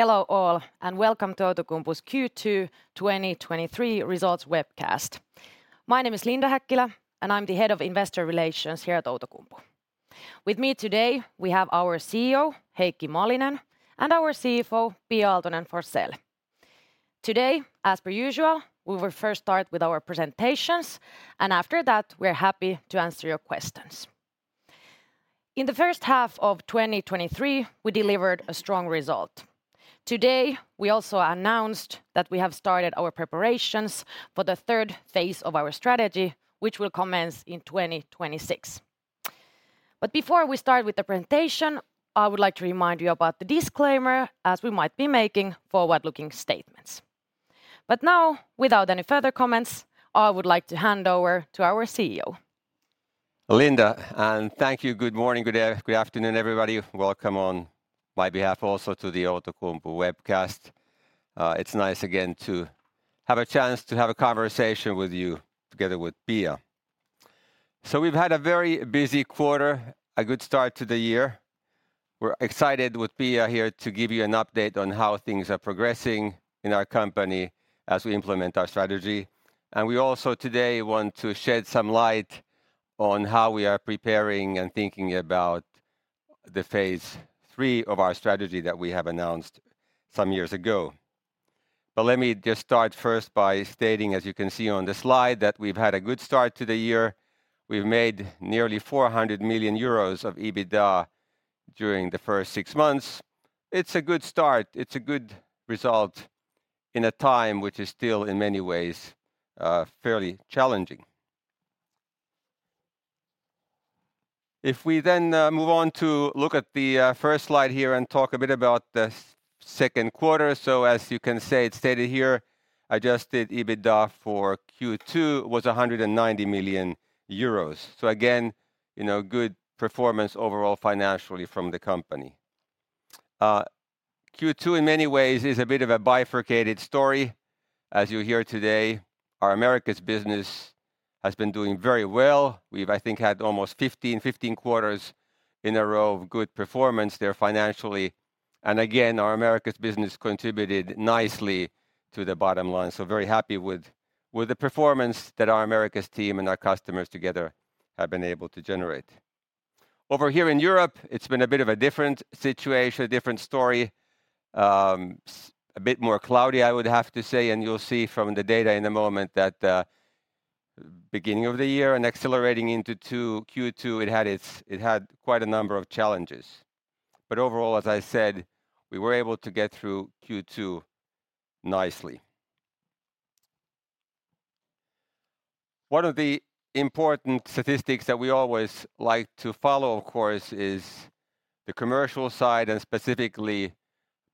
Hello all, welcome to Outokumpu's Q2 2023 results webcast. My name is Linda Häkkilä, and I'm the Head of Investor Relations here at Outokumpu. With me today, we have our CEO, Heikki Malinen, and our CFO, Pia Aaltonen-Forssell. Today, as per usual, we will first start with our presentations, and after that, we're happy to answer your questions. In the first half of 2023, we delivered a strong result. Today, we also announced that we have started our preparations for the third phase of our strategy, which will commence in 2026. Before we start with the presentation, I would like to remind you about the disclaimer, as we might be making forward-looking statements. Now, without any further comments, I would like to hand over to our CEO. Linda, thank you. Good morning, good afternoon, everybody. Welcome on my behalf also to the Outokumpu webcast. It's nice again to have a chance to have a conversation with you together with Pia. We've had a very busy quarter, a good start to the year. We're excited with Pia here to give you an update on how things are progressing in our company as we implement our strategy. We also today want to shed some light on how we are preparing and thinking about the phase three of our strategy that we have announced some years ago. Let me just start first by stating, as you can see on the slide, that we've had a good start to the year. We've made nearly 400 million euros of EBITDA during the first six months. It's a good start. It's a good result in a time which is still, in many ways, fairly challenging. If we then move on to look at the first slide here and talk a bit about the second quarter. As you can say, it's stated here, adjusted EBITDA for Q2 was 190 million euros. Again, you know, good performance overall financially from the company. Q2 in many ways is a bit of a bifurcated story. As you'll hear today, our Americas business has been doing very well. We've, I think, had almost 15, 15 quarters in a row of good performance there financially. Again, our Americas business contributed nicely to the bottom line. Very happy with, with the performance that our Americas team and our customers together have been able to generate. Over here in Europe, it's been a bit of a different situation, a different story, a bit more cloudy, I would have to say, and you'll see from the data in a moment that beginning of the year and accelerating into 2, Q2, it had quite a number of challenges. Overall, as I said, we were able to get through Q2 nicely. One of the important statistics that we always like to follow, of course, is the commercial side, and specifically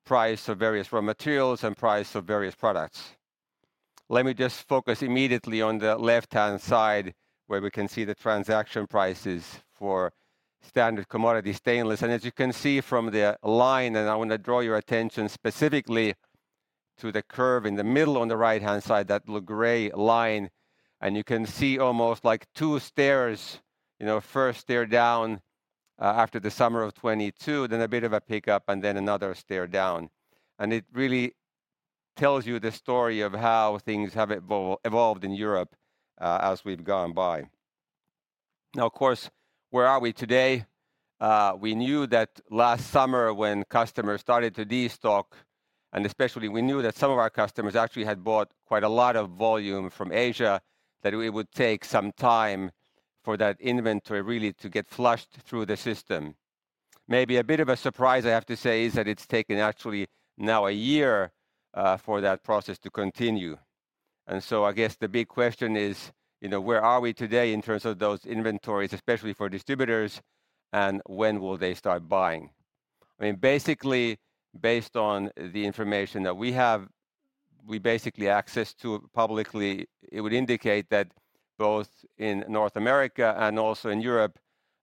price of various raw materials and price of various products. Let me just focus immediately on the left-hand side, where we can see the transaction prices for standard commodity stainless. As you can see from the line, and I want to draw your attention specifically to the curve in the middle on the right-hand side, that little gray line, and you can see almost like two stairs, you know, first stair down, after the summer of 2022, then a bit of a pickup, and then another stair down. It really tells you the story of how things have evolved in Europe, as we've gone by. Now, of course, where are we today? We knew that last summer, when customers started to destock, and especially we knew that some of our customers actually had bought quite a lot of volume from Asia, that it would take some time for that inventory really to get flushed through the system. Maybe a bit of a surprise, I have to say, is that it's taken actually now a year, for that process to continue. I guess the big question is, you know, where are we today in terms of those inventories, especially for distributors, and when will they start buying? I mean, basically, based on the information that we have, we basically access to publicly, it would indicate that both in North America and also in Europe,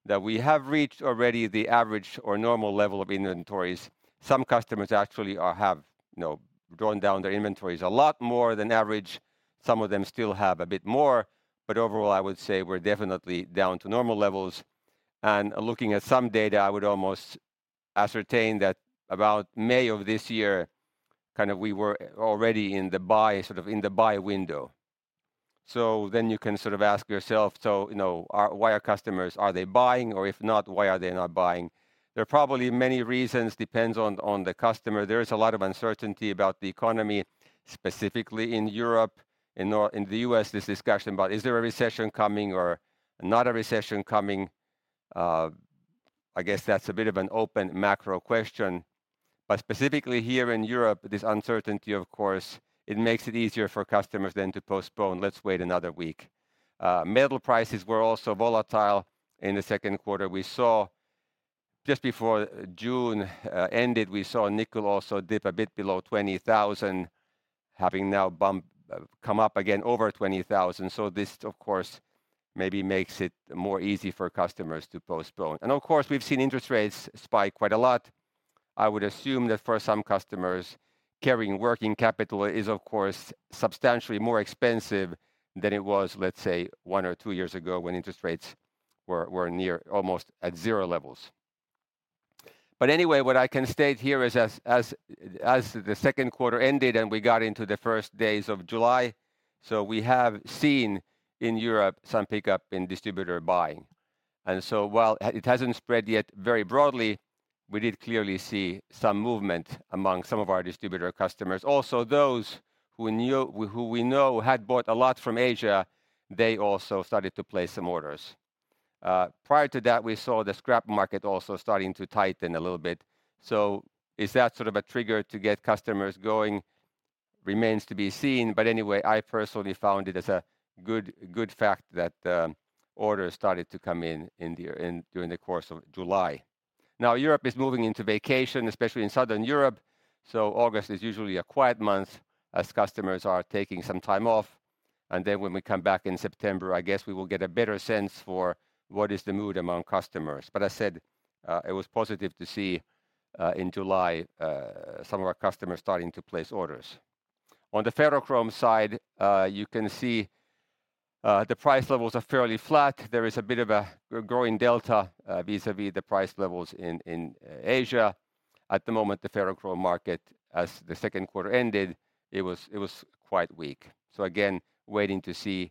that we have reached already the average or normal level of inventories. Some customers actually, have, you know, drawn down their inventories a lot more than average. Some of them still have a bit more, but overall, I would say we're definitely down to normal levels. Looking at some data, I would almost ascertain that about May of this year, kind of we were already in the buy, sort of in the buy window. Then you can sort of ask yourself, you know, why are customers, are they buying? If not, why are they not buying? There are probably many reasons, depends on the customer. There is a lot of uncertainty about the economy, specifically in Europe. In the U.S., there's discussion about is there a recession coming or not a recession coming? I guess that's a bit of an open macro question. Specifically here in Europe, this uncertainty, of course, it makes it easier for customers then to postpone, "Let's wait another week." Metal prices were also volatile in the second quarter. We saw... Just before June, ended, we saw nickel also dip a bit below 20,000, having now bumped, come up again over 20,000. This, of course, maybe makes it more easy for customers to postpone. Of course, we've seen interest rates spike quite a lot. I would assume that for some customers, carrying working capital is, of course, substantially more expensive than it was, let's say, one or two years ago, when interest rates were near almost at zero levels. Anyway, what I can state here is as the second quarter ended, and we got into the first days of July, we have seen in Europe some pickup in distributor buying. While it, it hasn't spread yet very broadly, we did clearly see some movement among some of our distributor customers. Also, those who we know had bought a lot from Asia, they also started to place some orders. Prior to that, we saw the scrap market also starting to tighten a little bit. Is that sort of a trigger to get customers going? Remains to be seen, anyway, I personally found it as a good, good fact that orders started to come in during the course of July. Europe is moving into vacation, especially in Southern Europe. August is usually a quiet month as customers are taking some time off. When we come back in September, I guess we will get a better sense for what is the mood among customers. I said, it was positive to see in July some of our customers starting to place orders. On the ferrochrome side, you can see, the price levels are fairly flat. There is a bit of a growing delta, vis-a-vis the price levels in, in, Asia. At the moment, the ferrochrome market, as the second quarter ended, it was, it was quite weak. Again, waiting to see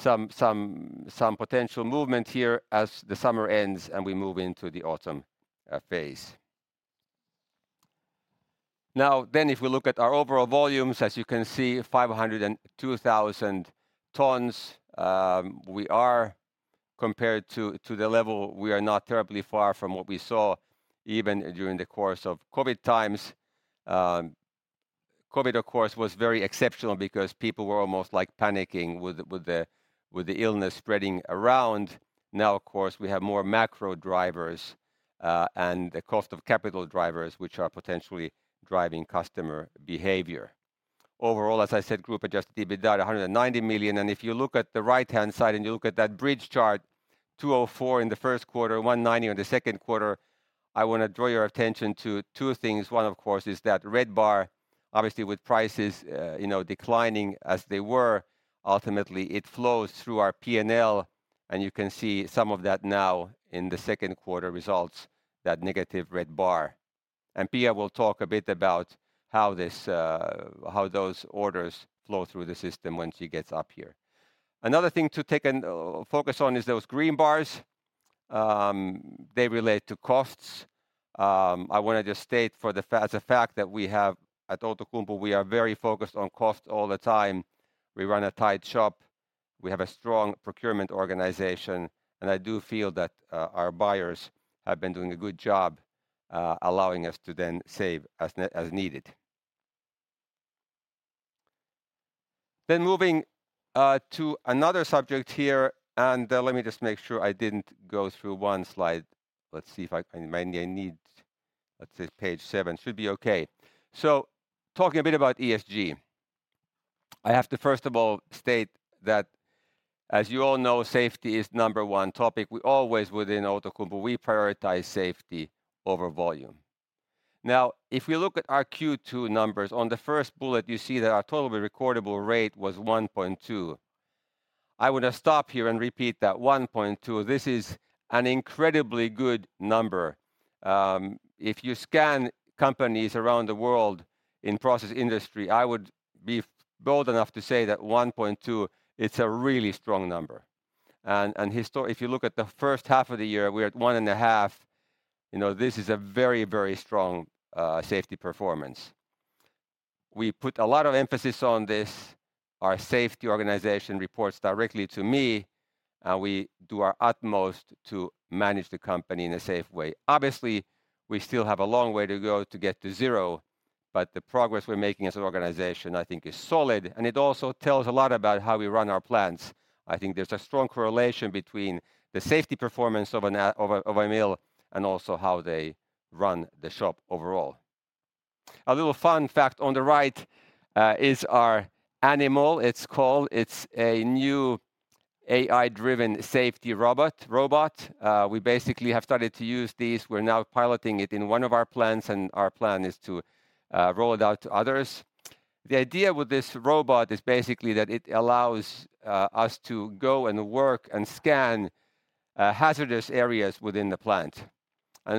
some, some, some potential movement here as the summer ends and we move into the autumn phase. Now, if we look at our overall volumes, as you can see, 502,000 tons, we are compared to, to the level, we are not terribly far from what we saw even during the course of COVID times. COVID, of course, was very exceptional because people were almost like panicking with the, with the, with the illness spreading around. Now, of course, we have more macro drivers, and the cost of capital drivers, which are potentially driving customer behavior. Overall, as I said, group-adjusted EBITDA, 190 million. If you look at the right-hand side, and you look at that bridge chart, 204 in the first quarter, 190 on the second quarter, I wanna draw your attention to two things. One, of course, is that red bar. Obviously, with prices, you know, declining as they were, ultimately it flows through our PNL, and you can see some of that now in the second quarter results, that negative red bar. Pia will talk a bit about how this, how those orders flow through the system once she gets up here. Another thing to take focus on is those green bars. They relate to costs. I wanna just state for the fact, as a fact, that we have at Outokumpu, we are very focused on cost all the time. We run a tight shop, we have a strong procurement organization, I do feel that our buyers have been doing a good job, allowing us to then save as needed. Moving to another subject here, let me just make sure I didn't go through 1 slide. Let's see, page 7. Should be okay. Talking a bit about ESG. I have to first of all state that, as you all know, safety is number 1 topic. We always within Outokumpu, we prioritize safety over volume. If we look at our Q2 numbers, on the first bullet, you see that our total recordable rate was 1.2. I would just stop here and repeat that: 1.2. This is an incredibly good number. If you scan companies around the world in process industry, I would be bold enough to say that 1.2, it's a really strong number. If you look at the first half of the year, we're at 1.5. You know, this is a very, very strong safety performance. We put a lot of emphasis on this. Our safety organization reports directly to me, and we do our utmost to manage the company in a safe way. Obviously, we still have a long way to go to get to zero, but the progress we're making as an organization, I think, is solid, and it also tells a lot about how we run our plants. I think there's a strong correlation between the safety performance of a mill and also how they run the shop overall. A little fun fact on the right, is our ANYmal, it's called. It's a new AI-driven safety robot. We basically have started to use these. We're now piloting it in one of our plants, and our plan is to roll it out to others. The idea with this robot is basically that it allows us to go and work and scan hazardous areas within the plant.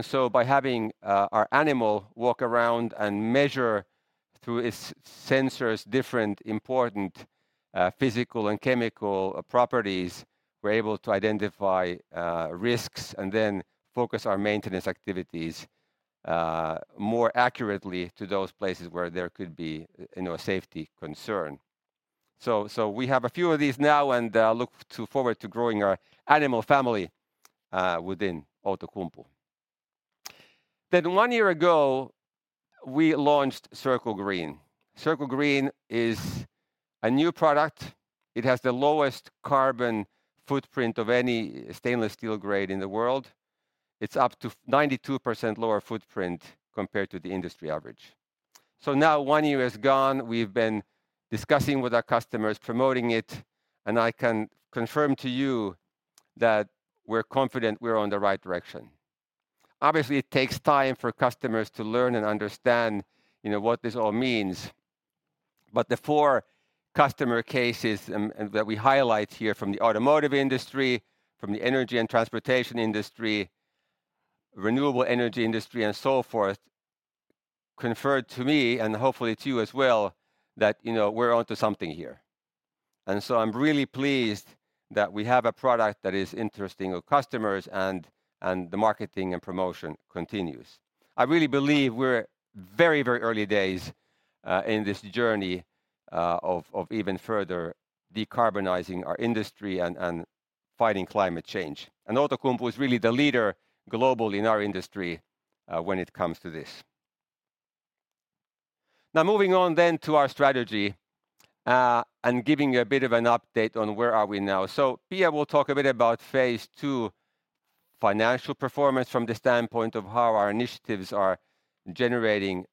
So by having our ANYmal walk around and measure through its sensors, different important physical and chemical properties, we're able to identify risks and then focus our maintenance activities more accurately to those places where there could be, you know, a safety concern. We have a few of these now and look to forward to growing our ANYmal family within Outokumpu. One year ago, we launched Circle Green. Circle Green is a new product. It has the lowest carbon footprint of any stainless steel grade in the world. It's up to 92% lower footprint compared to the industry average. Now, one year has gone. We've been discussing with our customers, promoting it, and I can confirm to you that we're confident we're on the right direction. Obviously, it takes time for customers to learn and understand, you know, what this all means. The four customer cases and that we highlight here from the automotive industry, from the energy and transportation industry, renewable energy industry, and so forth, conferred to me, and hopefully to you as well, that, you know, we're onto something here. I'm really pleased that we have a product that is interesting to customers and, and the marketing and promotion continues. I really believe we're very, very early days in this journey of, of even further decarbonizing our industry and, and fighting climate change. Outokumpu is really the leader globally in our industry when it comes to this. Now, moving on then to our strategy and giving you a bit of an update on where are we now. Pia will talk a bit about Phase Two financial performance from the standpoint of how our initiatives are generating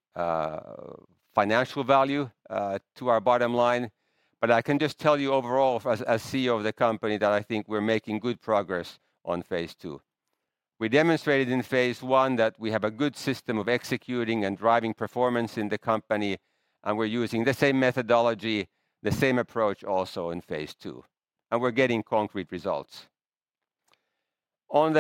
financial value to our bottom line. I can just tell you overall as, as CEO of the company, that I think we're making good progress on Phase Two. We demonstrated in Phase One that we have a good system of executing and driving performance in the company, and we're using the same methodology, the same approach also in Phase Two, and we're getting concrete results. In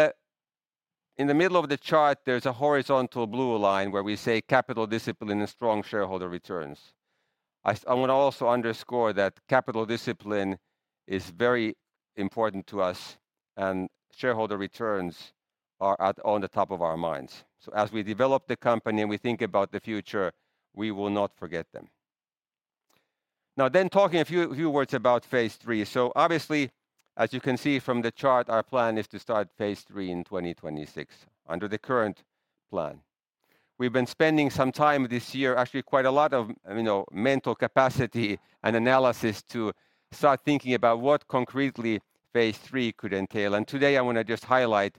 the middle of the chart, there's a horizontal blue line where we say, "Capital discipline and strong shareholder returns." I want to also underscore that capital discipline is very important to us, and shareholder returns are on the top of our minds. As we develop the company and we think about the future, we will not forget them. Now, talking a few words about Phase Three. Obviously, as you can see from the chart, our plan is to start Phase Three in 2026, under the current plan. We've been spending some time this year, actually, quite a lot of, you know, mental capacity and analysis to start thinking about what concretely Phase Three could entail. Today I wanna just highlight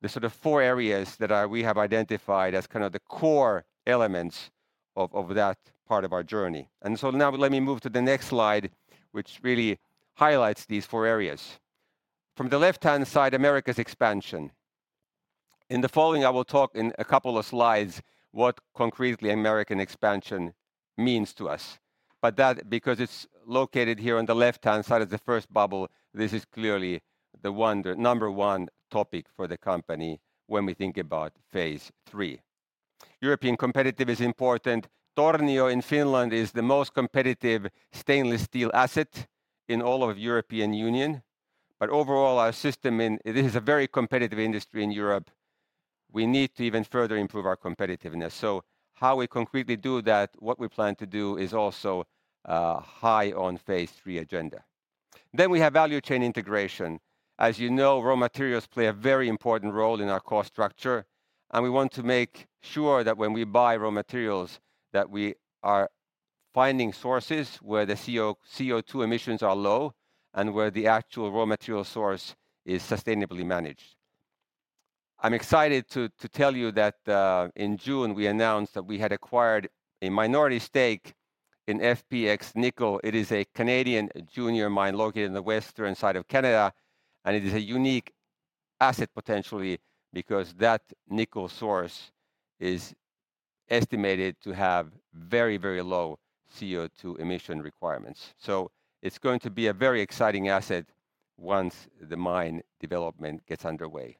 the sort of four areas that we have identified as kind of the core elements of, of that part of our journey. Now let me move to the next slide, which really highlights these four areas. From the left-hand side, Americas expansion. In the following, I will talk in a couple of slides what concretely American expansion means to us. That, because it's located here on the left-hand side of the first bubble, this is clearly the one, the number one topic for the company when we think about Phase Three. European competitive is important. Tornio in Finland is the most competitive stainless steel asset in all of European Union. Overall, our system in... It is a very competitive industry in Europe. We need to even further improve our competitiveness. How we concretely do that, what we plan to do, is also high on Phase Three agenda. We have value chain integration. As you know, raw materials play a very important role in our cost structure, and we want to make sure that when we buy raw materials, that we are finding sources where the CO, CO2 emissions are low and where the actual raw material source is sustainably managed. I'm excited to, to tell you that in June, we announced that we had acquired a minority stake in FPX Nickel. It is a Canadian junior mine located in the western side of Canada, and it is a unique asset potentially because that nickel source is estimated to have very, very low CO2 emission requirements. It's going to be a very exciting asset once the mine development gets underway.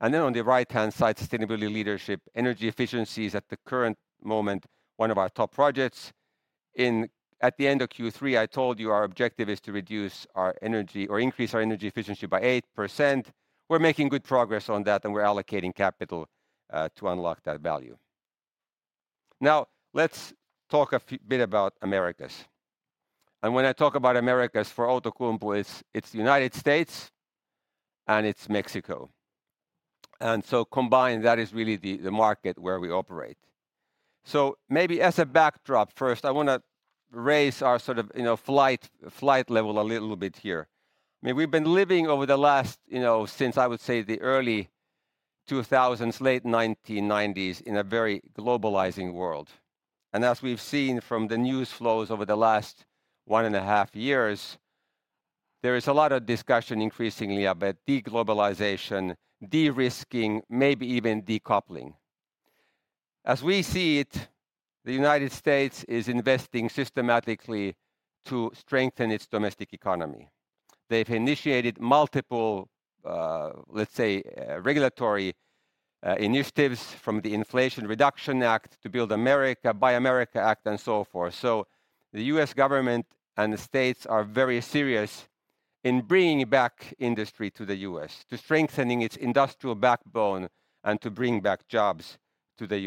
Then on the right-hand side, sustainability leadership. Energy efficiency is, at the current moment, one of our top projects. At the end of Q3, I told you our objective is to reduce our energy or increase our energy efficiency by 8%. We're making good progress on that, and we're allocating capital to unlock that value. Now, let's talk a bit about Americas. When I talk about Americas for Outokumpu, it's, it's the United States and it's Mexico. So combined, that is really the, the market where we operate. Maybe as a backdrop, first, I wanna raise our sort of, you know, flight, flight level a little bit here. I mean, we've been living over the last, you know, since I would say the early 2000s, late 1990s, in a very globalizing world. As we've seen from the news flows over the last 1.5 years, there is a lot of discussion increasingly about de-globalization, de-risking, maybe even decoupling. As we see it, the United States is investing systematically to strengthen its domestic economy. They've initiated multiple, let's say, regulatory initiatives, from the Inflation Reduction Act to Build America, Buy America Act, and so forth. The U.S. government and the states are very serious in bringing back industry to the U.S., to strengthening its industrial backbone and to bring back jobs to the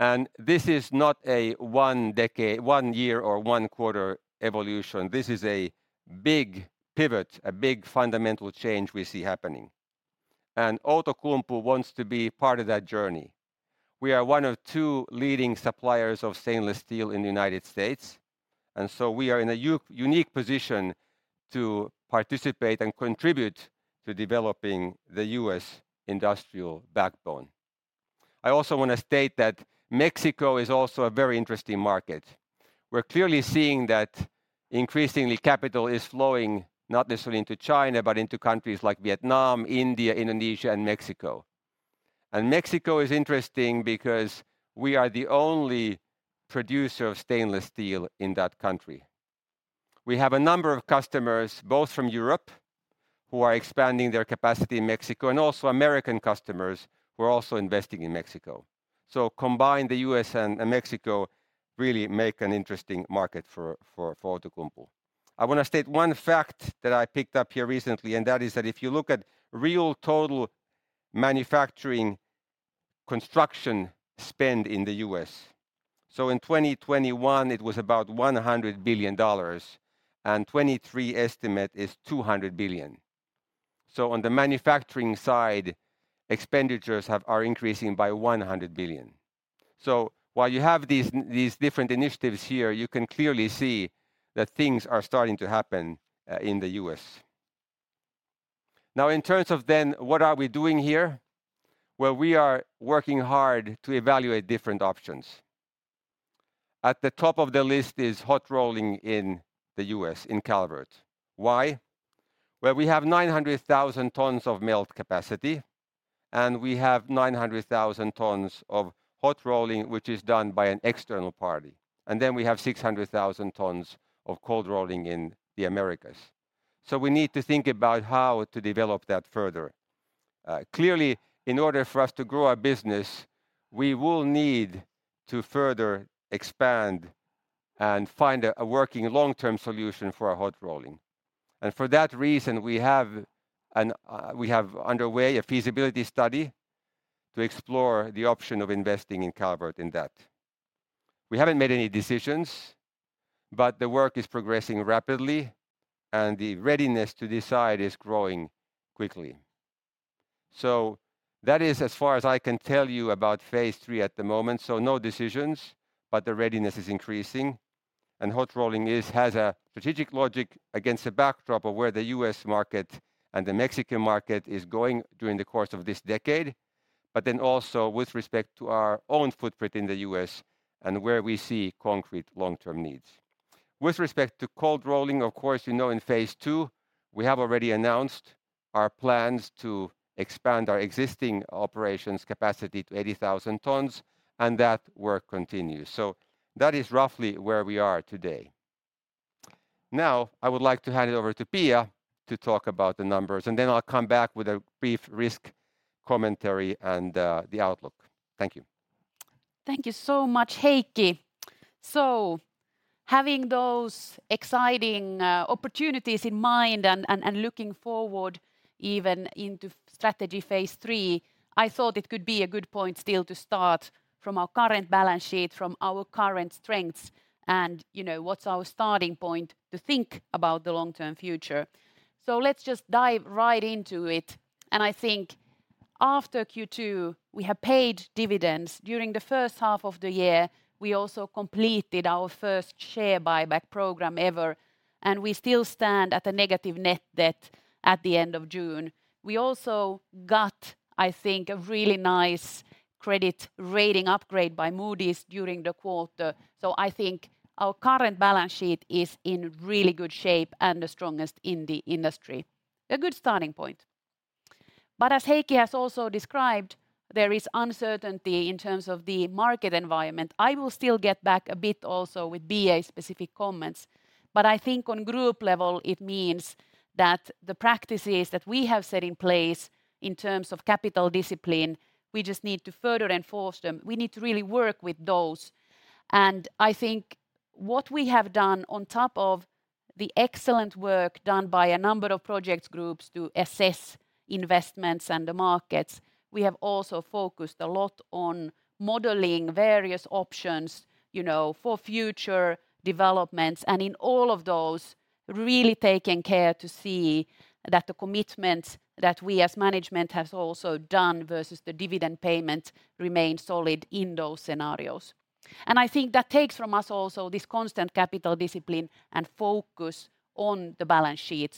U.S. This is not a 1 decade, 1 year, or 1 quarter evolution. This is a big pivot, a big fundamental change we see happening. Outokumpu wants to be part of that journey. We are one of two leading suppliers of stainless steel in the United States. We are in a unique position to participate and contribute to developing the U.S. industrial backbone. I also want to state that Mexico is also a very interesting market. We're clearly seeing that increasingly capital is flowing, not necessarily into China, but into countries like Vietnam, India, Indonesia, and Mexico. Mexico is interesting because we are the only producer of stainless steel in that country. We have a number of customers, both from Europe, who are expanding their capacity in Mexico. Also U.S. customers who are also investing in Mexico. Combined, the U.S. and, and Mexico really make an interesting market for, for, for Outokumpu. I wanna state one fact that I picked up here recently, and that is that if you look at real total manufacturing construction spend in the U.S. In 2021 it was about $100 billion. 2023 estimate is $200 billion. On the manufacturing side, expenditures have-- are increasing by $100 billion. While you have these, these different initiatives here, you can clearly see that things are starting to happen in the U.S. In terms of then, what are we doing here? We are working hard to evaluate different options. At the top of the list is hot rolling in the U.S., in Calvert. Why? We have 900,000 tons of melt capacity, we have 900,000 tons of hot rolling, which is done by an external party, we have 600,000 tons of cold rolling in the Americas. We need to think about how to develop that further. Clearly, in order for us to grow our business, we will need to further expand and find a working long-term solution for our hot rolling. For that reason, we have underway a feasibility study to explore the option of investing in Calvert in that. We haven't made any decisions, but the work is progressing rapidly, and the readiness to decide is growing quickly. That is as far as I can tell you about phase three at the moment, so no decisions, but the readiness is increasing. Hot rolling has a strategic logic against the backdrop of where the U.S. market and the Mexican market is going during the course of this decade, but then also with respect to our own footprint in the U.S. and where we see concrete long-term needs. With respect to cold rolling, of course, you know, in phase 2, we have already announced our plans to expand our existing operations capacity to 80,000 tons, and that work continues. That is roughly where we are today. I would like to hand it over to Pia to talk about the numbers, and then I'll come back with a brief risk commentary and the outlook. Thank you. Thank you so much, Heikki. Having those exciting opportunities in mind and, and, and looking forward even into strategy phase three, I thought it could be a good point still to start from our current balance sheet, from our current strengths, and, you know, what's our starting point to think about the long-term future. Let's just dive right into it. I think after Q2, we have paid dividends. During the first half of the year, we also completed our first share buyback program ever, and we still stand at a negative net debt at the end of June. We also got, I think, a really nice credit rating upgrade by Moody's during the quarter, so I think our current balance sheet is in really good shape and the strongest in the industry. A good starting point. As Heikki has also described, there is uncertainty in terms of the market environment. I will still get back a bit also with BA-specific comments, but I think on group level it means that the practices that we have set in place in terms of capital discipline, we just need to further enforce them. We need to really work with those. I think what we have done on top of the excellent work done by a number of projects groups to assess investments and the markets, we have also focused a lot on modeling various options, you know, for future developments, and in all of those, really taking care to see that the commitment that we as management have also done versus the dividend payment remains solid in those scenarios. I think that takes from us also this constant capital discipline and focus on the balance sheet.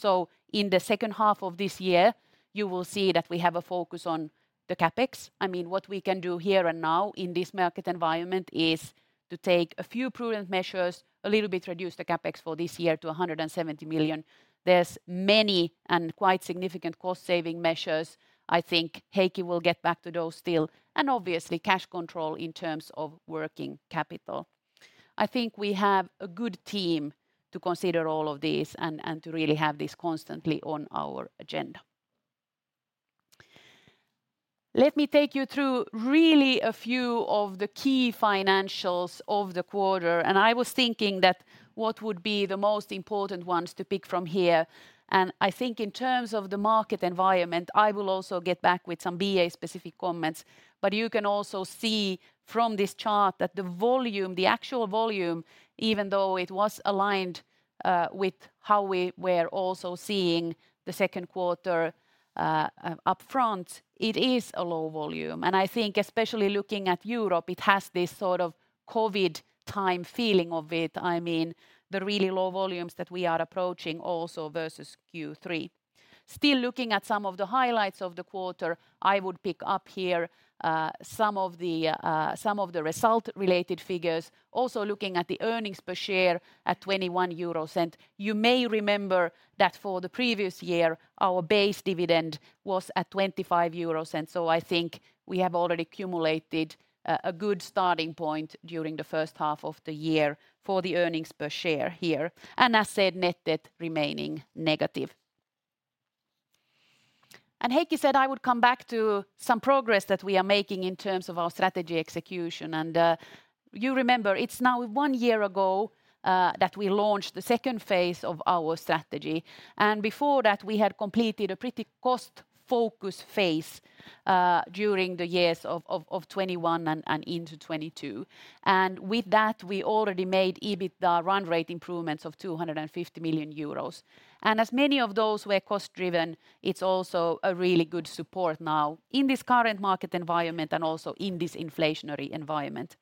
In the second half of this year, you will see that we have a focus on the CapEx. I mean, what we can do here and now in this market environment is to take a few prudent measures, a little bit reduce the CapEx for this year to 170 million. There's many and quite significant cost-saving measures. I think Heikki will get back to those still, and obviously, cash control in terms of working capital. I think we have a good team to consider all of this and to really have this constantly on our agenda. Let me take you through really a few of the key financials of the quarter. I was thinking that what would be the most important ones to pick from here? I think in terms of the market environment, I will also get back with some BA-specific comments. You can also see from this chart that the volume, the actual volume, even though it was aligned with how we were also seeing the second quarter upfront, it is a low volume. I think especially looking at Europe, it has this sort of COVID time feeling of it, I mean, the really low volumes that we are approaching also versus Q3. Still looking at some of the highlights of the quarter, I would pick up here some of the some of the result-related figures. Also, looking at the earnings per share at 0.21 euros, you may remember that for the previous year, our base dividend was at 0.25 euros, so I think we have already accumulated a good starting point during the first half of the year for the earnings per share here. As said, net debt remaining negative. Heikki said I would come back to some progress that we are making in terms of our strategy execution. You remember, it's now one year ago that we launched the second phase of our strategy, and before that, we had completed a pretty cost-focused phase during the years of 2021 and into 2022. With that, we already made EBITDA run rate improvements of 250 million euros. As many of those were cost-driven, it's also a really good support now in this current market environment and also in this inflationary environment.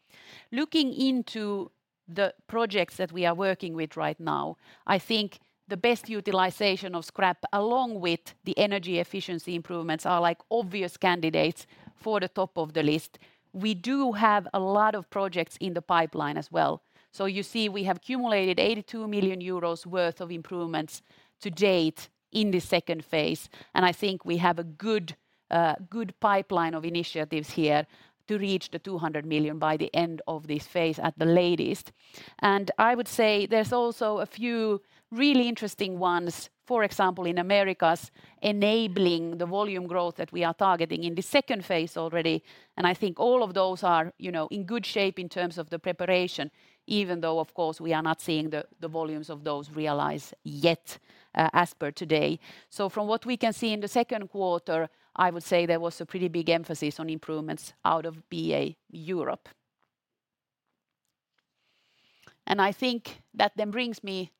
Looking into the projects that we are working with right now, I think the best utilization of scrap, along with the energy efficiency improvements, are like obvious candidates for the top of the list. We do have a lot of projects in the pipeline as well. You see, we have accumulated 82 million euros worth of improvements to date in this second phase, and I think we have a good, good pipeline of initiatives here to reach 200 million by the end of this phase at the latest. I would say there's also a few really interesting ones, for example, in Americas, enabling the volume growth that we are targeting in the second phase already, and I think all of those are, you know, in good shape in terms of the preparation, even though, of course, we are not seeing the volumes of those realized yet as per today. From what we can see in the second quarter, I would say there was a pretty big emphasis on improvements out of BA Europe. I think that then brings me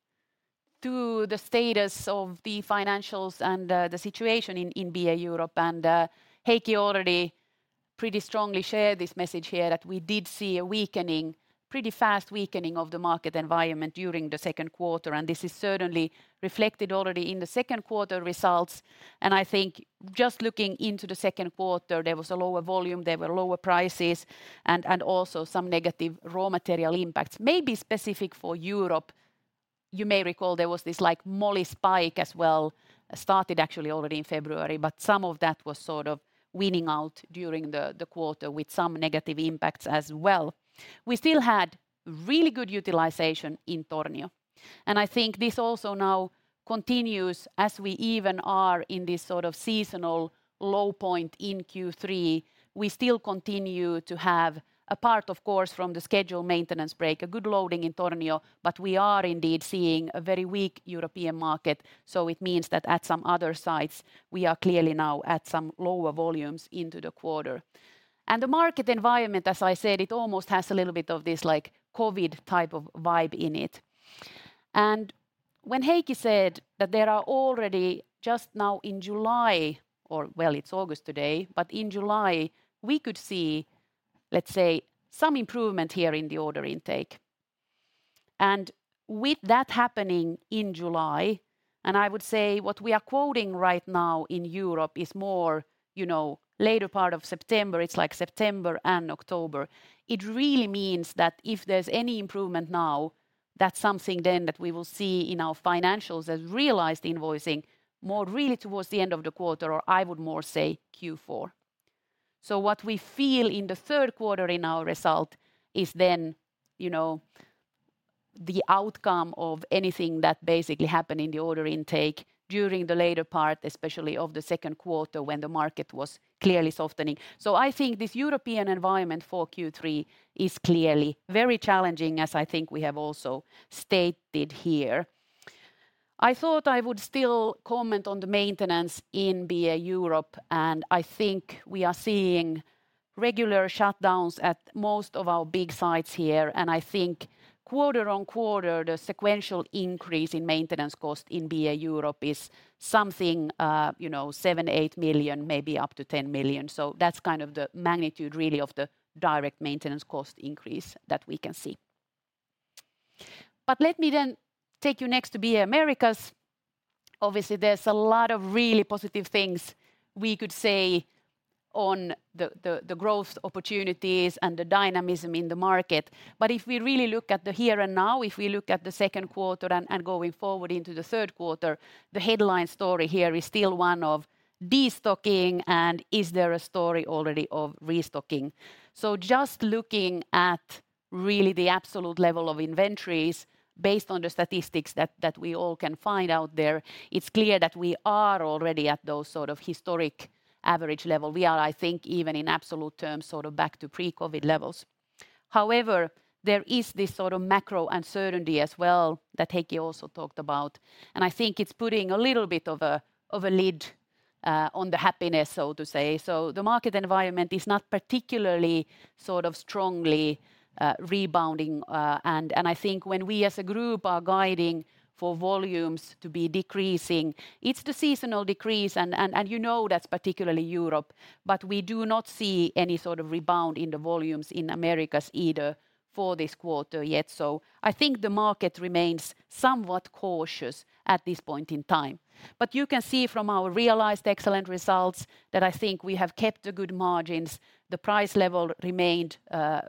to the status of the financials and the situation in BA Europe. Heikki already pretty strongly shared this message here, that we did see a weakening, pretty fast weakening of the market environment during the second quarter, and this is certainly reflected already in the second quarter results. I think just looking into the second quarter, there was a lower volume, there were lower prices, and also some negative raw material impacts. Maybe specific for Europe, you may recall there was this, like, moly spike as well, started actually already in February, but some of that was sort of weaning out during the quarter with some negative impacts as well. We still had really good utilization in Tornio. I think this also now continues as we even are in this sort of seasonal low point in Q3. We still continue to have, apart, of course, from the scheduled maintenance break, a good loading in Tornio, but we are indeed seeing a very weak European market, so it means that at some other sites, we are clearly now at some lower volumes into the quarter. The market environment, as I said, it almost has a little bit of this, like, COVID type of vibe in it. When Heikki said that there are already, just now in July... or, well, it's August today, but in July, we could see, let's say, some improvement here in the order intake. With that happening in July, and I would say what we are quoting right now in Europe is more, you know, later part of September, it's like September and October, it really means that if there's any improvement now, that's something then that we will see in our financials as realized invoicing more really towards the end of the quarter, or I would more say Q4. What we feel in the third quarter in our result is then, you know, the outcome of anything that basically happened in the order intake during the later part, especially of the second quarter, when the market was clearly softening. I think this European environment for Q3 is clearly very challenging, as I think we have also stated here. I thought I would still comment on the maintenance in BA Europe, and I think we are seeing regular shutdowns at most of our big sites here. I think quarter-on-quarter, the sequential increase in maintenance cost in BA Europe is something, you know, 7 million-8 million, maybe up to 10 million. That's kind of the magnitude really of the direct maintenance cost increase that we can see. Let me then take you next to BA Americas. Obviously, there's a lot of really positive things we could say on the, the, the growth opportunities and the dynamism in the market. If we really look at the here and now, if we look at the second quarter and going forward into the third quarter, the headline story here is still one of destocking and is there a story already of restocking? Just looking at really the absolute level of inventories, based on the statistics that, that we all can find out there, it's clear that we are already at those sort of historic average level. We are, I think, even in absolute terms, sort of back to pre-COVID levels. However, there is this sort of macro uncertainty as well that Heikki also talked about, and I think it's putting a little bit of a, of a lid on the happiness, so to say. The market environment is not particularly sort of strongly rebounding. I think when we as a group are guiding for volumes to be decreasing, it's the seasonal decrease, and, and, and you know that's particularly Europe, but we do not see any sort of rebound in the volumes in Americas either for this quarter yet. I think the market remains somewhat cautious at this point in time. You can see from our realized excellent results, that I think we have kept the good margins. The price level remained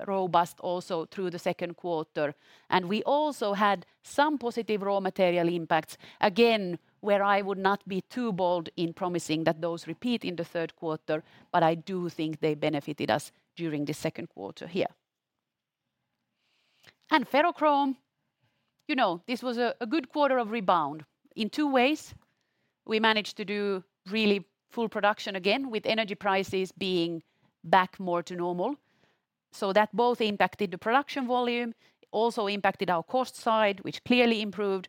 robust also through the second quarter, and we also had some positive raw material impacts, again, where I would not be too bold in promising that those repeat in the third quarter, but I do think they benefited us during the second quarter here. Ferrochrome, you know, this was a good quarter of rebound in two ways. We managed to do really full production again, with energy prices being back more to normal. That both impacted the production volume, it also impacted our cost side, which clearly improved.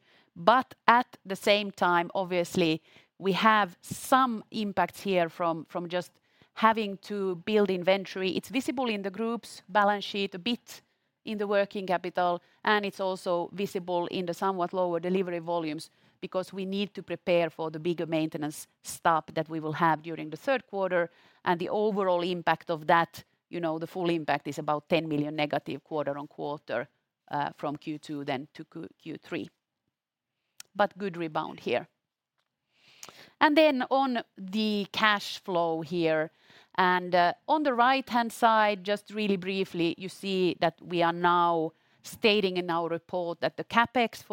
At the same time, obviously, we have some impacts here from just having to build inventory. It's visible in the group's balance sheet, a bit in the working capital, and it's also visible in the somewhat lower delivery volumes, because we need to prepare for the bigger maintenance stop that we will have during the third quarter. The overall impact of that, you know, the full impact is about 10 million negative quarter-on-quarter from Q2 then to Q3. Good rebound here. On the cash flow here, and on the right-hand side, just really briefly, you see that we are now stating in our report that the CapEx...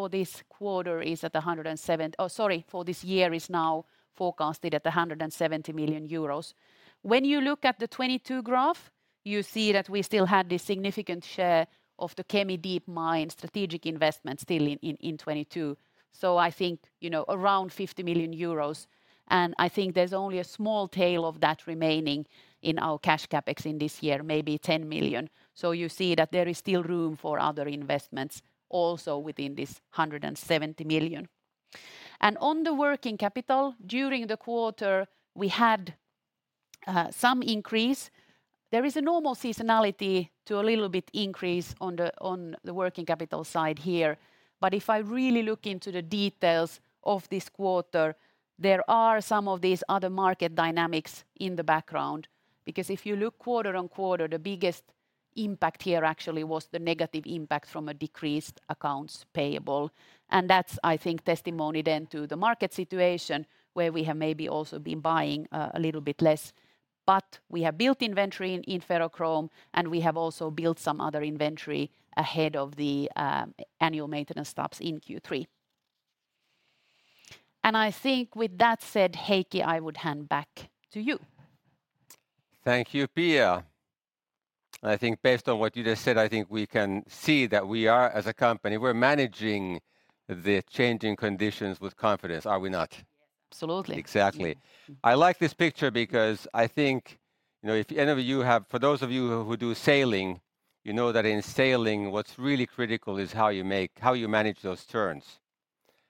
Oh, sorry, for this year is now forecasted at 170 million euros. When you look at the 2022 graph, you see that we still had this significant share of the Kemi Deep Mine strategic investment still in 2022. I think, you know, around 50 million euros, I think there's only a small tail of that remaining in our cash CapEx in this year, maybe 10 million. You see that there is still room for other investments also within this 170 million. On the working capital, during the quarter, we had some increase. There is a normal seasonality to a little bit increase on the working capital side here. If I really look into the details of this quarter, there are some of these other market dynamics in the background. If you look quarter-on-quarter, the biggest impact here actually was the negative impact from a decreased accounts payable. That's, I think, testimony then to the market situation, where we have maybe also been buying a little bit less. We have built inventory in, in ferrochrome, and we have also built some other inventory ahead of the annual maintenance stops in Q3. I think with that said, Heikki, I would hand back to you. Thank you, Pia. I think based on what you just said, I think we can see that we are, as a company, we're managing the changing conditions with confidence, are we not? Absolutely. Exactly. I like this picture because I think, you know, if any of you have... For those of you who, who do sailing, you know that in sailing, what's really critical is how you manage those turns.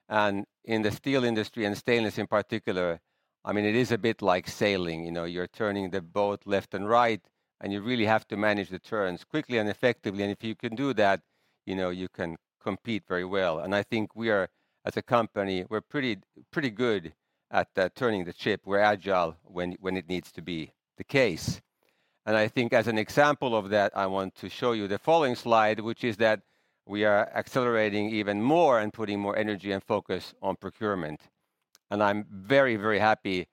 In the steel industry, and stainless in particular, I mean, it is a bit like sailing. You know, you're turning the boat left and right, and you really have to manage the turns quickly and effectively. If you can do that, you know, you can compete very well. I think we are, as a company, we're pretty, pretty good at turning the ship. We're agile when, when it needs to be the case. I think as an example of that, I want to show you the following slide, which is that we are accelerating even more and putting more energy and focus on procurement. I'm very, very happy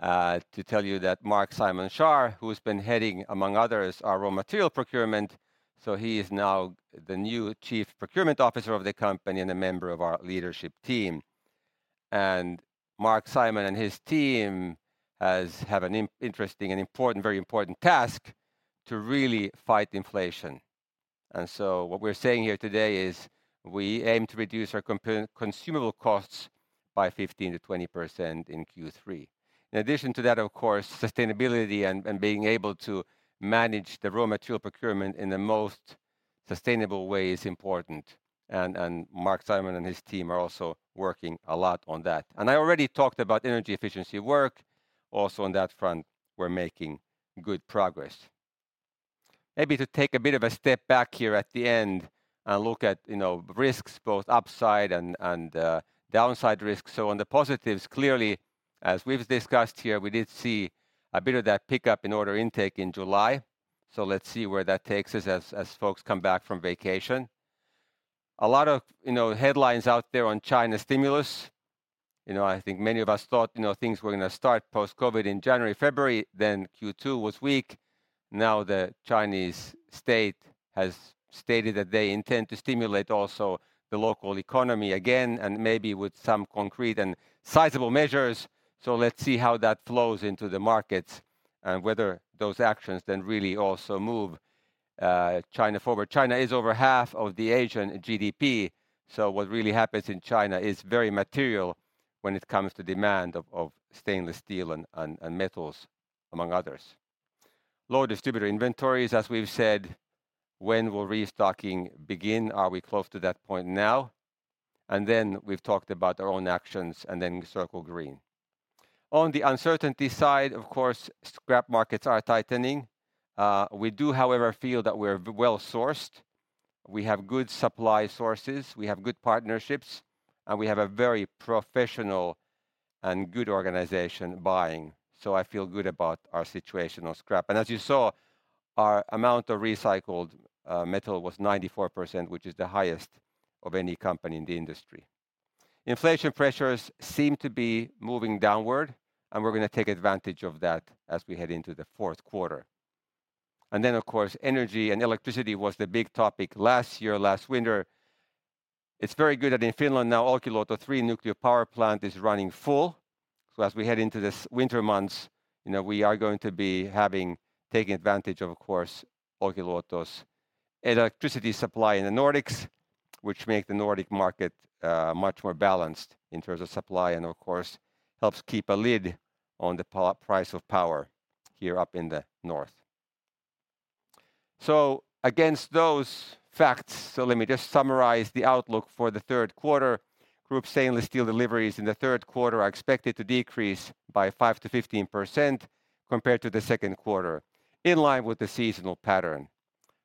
to tell you that Marc-Simon Schaar, who's been heading, among others, our raw material procurement, so he is now the new Chief Procurement Officer of the company and a member of our leadership team. Marc-Simon and his team have an interesting and important, very important task: to really fight inflation. What we're saying here today is, we aim to reduce our consumable costs by 15%-20% in Q3. In addition to that, of course, sustainability and, and being able to manage the raw material procurement in the most sustainable way is important, and, and Marc-Simon and his team are also working a lot on that. I already talked about energy efficiency work. Also on that front, we're making good progress. Maybe to take a bit of a step back here at the end and look at, you know, risks, both upside and, and downside risks. On the positives, clearly, as we've discussed here, we did see a bit of that pickup in order intake in July, let's see where that takes us as, as folks come back from vacation. A lot of, you know, headlines out there on China stimulus. You know, I think many of us thought, you know, things were gonna start post-COVID in January, February, then Q2 was weak. The Chinese state has stated that they intend to stimulate also the local economy again, and maybe with some concrete and sizable measures. Let's see how that flows into the markets and whether those actions then really also move China forward. China is over half of the Asian GDP, so what really happens in China is very material when it comes to demand of, of stainless steel and, and, and metals, among others. Low distributor inventories, as we've said, when will restocking begin? Are we close to that point now? Then we've talked about our own actions, and then Circle Green. On the uncertainty side, of course, scrap markets are tightening. We do, however, feel that we're well-sourced. We have good supply sources, we have good partnerships, and we have a very professional and good organization buying, so I feel good about our situation on scrap. As you saw, our amount of recycled metal was 94%, which is the highest of any company in the industry. Inflation pressures seem to be moving downward, we're gonna take advantage of that as we head into the fourth quarter. Of course, energy and electricity was the big topic last year, last winter. It's very good that in Finland now, Olkiluoto 3 nuclear power plant is running full. As we head into this winter months, you know, we are going to be taking advantage of, of course, Olkiluoto's electricity supply in the Nordics, which make the Nordic market much more balanced in terms of supply, and of course, helps keep a lid on the price of power here up in the north. Against those facts, let me just summarize the outlook for the third quarter. Group stainless steel deliveries in the third quarter are expected to decrease by 5%-15% compared to the second quarter, in line with the seasonal pattern.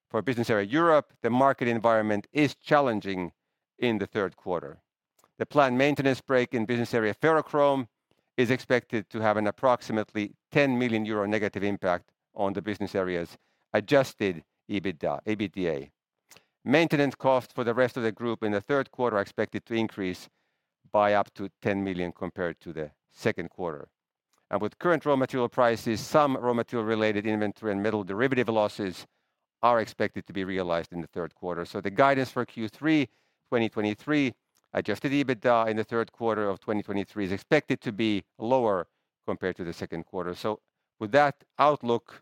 For business area Europe, the market environment is challenging in the third quarter. The planned maintenance break in business area Ferrochrome is expected to have an approximately 10 million euro negative impact on the business areas, adjusted EBITDA, EBITDA. Maintenance costs for the rest of the group in the third quarter are expected to increase by up to 10 million compared to the second quarter. With current raw material prices, some raw material related inventory and metal derivative losses are expected to be realized in the third quarter. The guidance for Q3 2023, adjusted EBITDA in the third quarter of 2023, is expected to be lower compared to the second quarter. With that outlook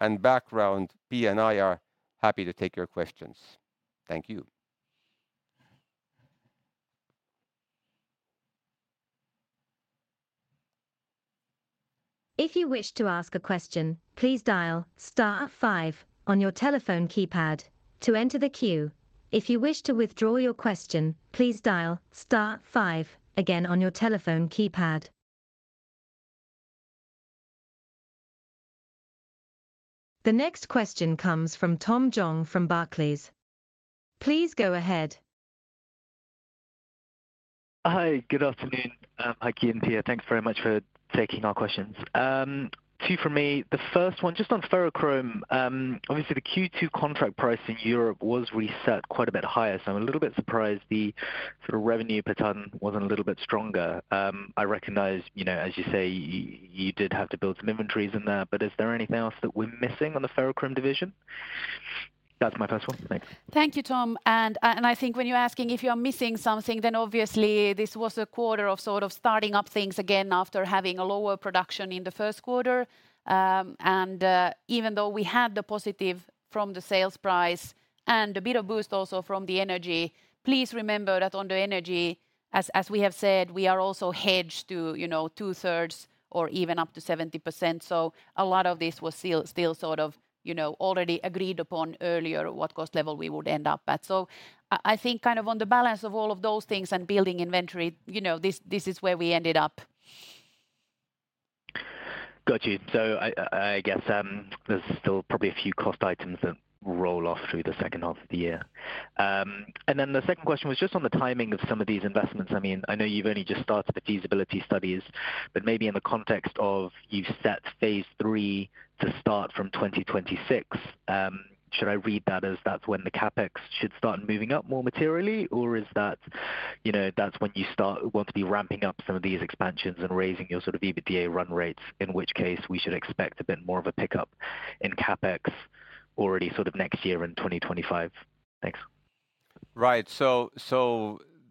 and background, Pia and I are happy to take your questions. Thank you. If you wish to ask a question, please dial star five on your telephone keypad to enter the queue. If you wish to withdraw your question, please dial star five again on your telephone keypad. The next question comes from Tom Zhang from Barclays. Please go ahead. Hi, good afternoon, hi, Heikki and Pia. Thanks very much for taking our questions. Two for me. The first one, just on Ferrochrome. Obviously the Q2 contract price in Europe was reset quite a bit higher, so I'm a little bit surprised the sort of revenue per ton wasn't a little bit stronger. I recognize, you know, as you say, you did have to build some inventories in there, but is there anything else that we're missing on the Ferrochrome division? That's my first one. Thanks. Thank you, Tom. I think when you're asking if you're missing something, then obviously this was a quarter of sort of starting up things again after having a lower production in the first quarter. Even though we had the positive from the sales price and a bit of boost also from the energy, please remember that on the energy, as, as we have said, we are also hedged to, you know, two-thirds or even up to 70%. A lot of this was still, still sort of, you know, already agreed upon earlier, what cost level we would end up at. I, I think kind of on the balance of all of those things and building inventory, you know, this, this is where we ended up. Got you. I, I, I guess, there's still probably a few cost items that roll off through the second half of the year. Then the second question was just on the timing of some of these investments. I mean, I know you've only just started the feasibility studies, but maybe in the context of you've set phase three to start from 2026, should I read that as that's when the CapEx should start moving up more materially? Is that, you know, that's when you want to be ramping up some of these expansions and raising your sort of EBDA run rates, in which case we should expect a bit more of a pickup in CapEx already sort of next year in 2025. Thanks. Right.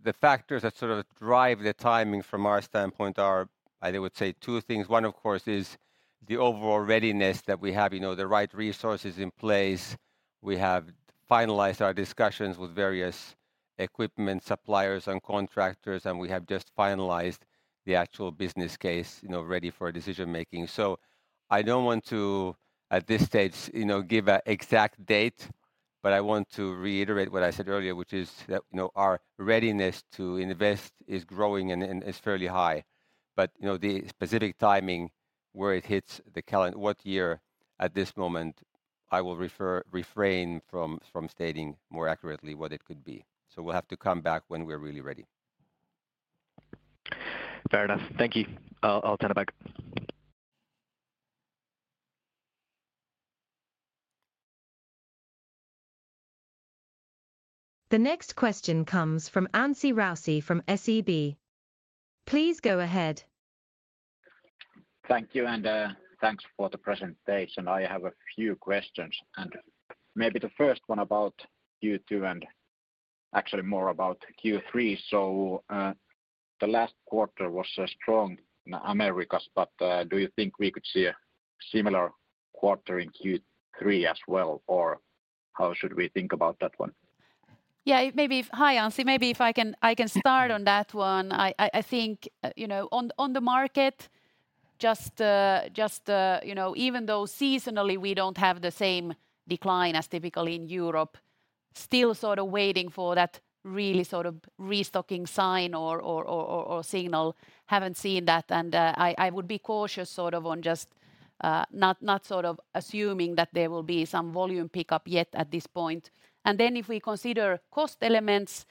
The factors that sort of drive the timing from our standpoint are, I would say two things. One, of course, is the overall readiness that we have, you know, the right resources in place. We have finalized our discussions with various equipment suppliers and contractors, and we have just finalized the actual business case, you know, ready for decision making. I don't want to, at this stage, you know, give a exact date, but I want to reiterate what I said earlier, which is that, you know, our readiness to invest is growing and, and is fairly high. The specific timing, where it hits the calendar year, at this moment, I will refrain from stating more accurately what it could be. We'll have to come back when we're really ready. Fair enough. Thank you. I'll, I'll turn it back. The next question comes from Anssi Raussi from SEB. Please go ahead. Thank you. Thanks for the presentation. I have a few questions. Maybe the first one about Q2 and actually more about Q3. The last quarter was strong in Americas. Do you think we could see a similar quarter in Q3 as well, or how should we think about that one? Yeah, maybe if... Hi, Anssi, maybe if I can, I can start on that one. I, I, I think, you know, on, on the market, just, just, you know, even though seasonally we don't have the same decline as typically in Europe, still sort of waiting for that really sort of restocking sign or, or, or, or signal. Haven't seen that. I, I would be cautious, sort of on just, not, not sort of assuming that there will be some volume pickup yet at this point. Then if we consider cost elements,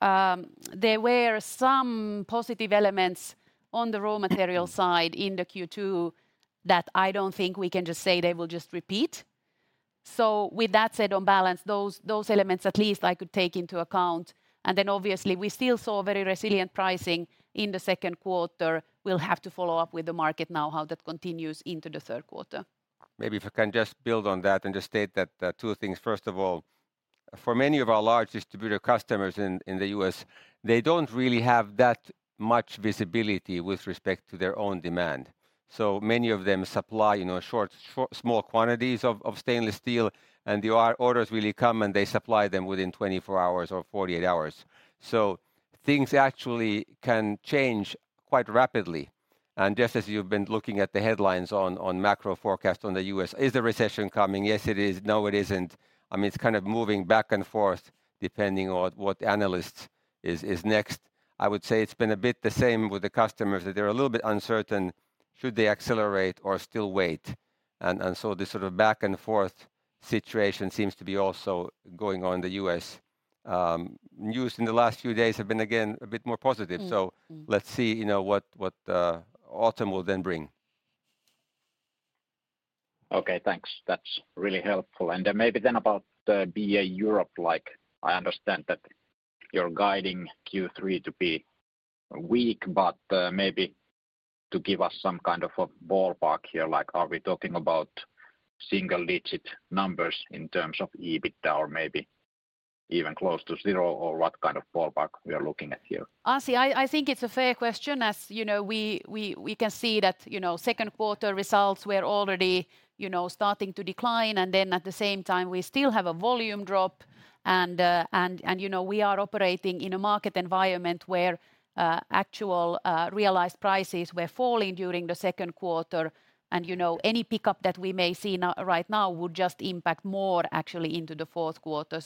there were some positive elements on the raw material side in the Q2, that I don't think we can just say they will just repeat. With that said, on balance, those, those elements at least I could take into account, and then obviously, we still saw very resilient pricing in the second quarter. We'll have to follow up with the market now, how that continues into the third quarter. Maybe if I can just build on that and just state that, two things. First of all, for many of our large distributor customers in, in the U.S., they don't really have that much visibility with respect to their own demand. Many of them supply, you know, short, small quantities of, of stainless steel, and the orders really come, and they supply them within 24 hours or 48 hours. Things actually can change quite rapidly. Just as you've been looking at the headlines on, on macro forecast on the U.S., is the recession coming? Yes, it is. No, it isn't. I mean, it's kind of moving back and forth, depending on what analysts is, is next. I would say it's been a bit the same with the customers, that they're a little bit uncertain should they accelerate or still wait. This sort of back-and-forth situation seems to be also going on in the U.S. News in the last few days have been, again, a bit more positive. Mm, mm. Let's see, you know, what, what autumn will then bring. Okay, thanks. That's really helpful. Then maybe then about the BA Europe, like, I understand that you're guiding Q3 to be weak, but maybe to give us some kind of a ballpark here, like, are we talking about single-digit numbers in terms of EBITDA, or maybe even close to zero, or what kind of ballpark we are looking at here? Anssi, I think it's a fair question, as you know, we, we, we can see that, you know, second quarter results were already, you know, starting to decline, and then at the same time, we still have a volume drop. You know, we are operating in a market environment where actual realized prices were falling during the second quarter. You know, any pickup that we may see now, right now, would just impact more actually into the fourth quarter.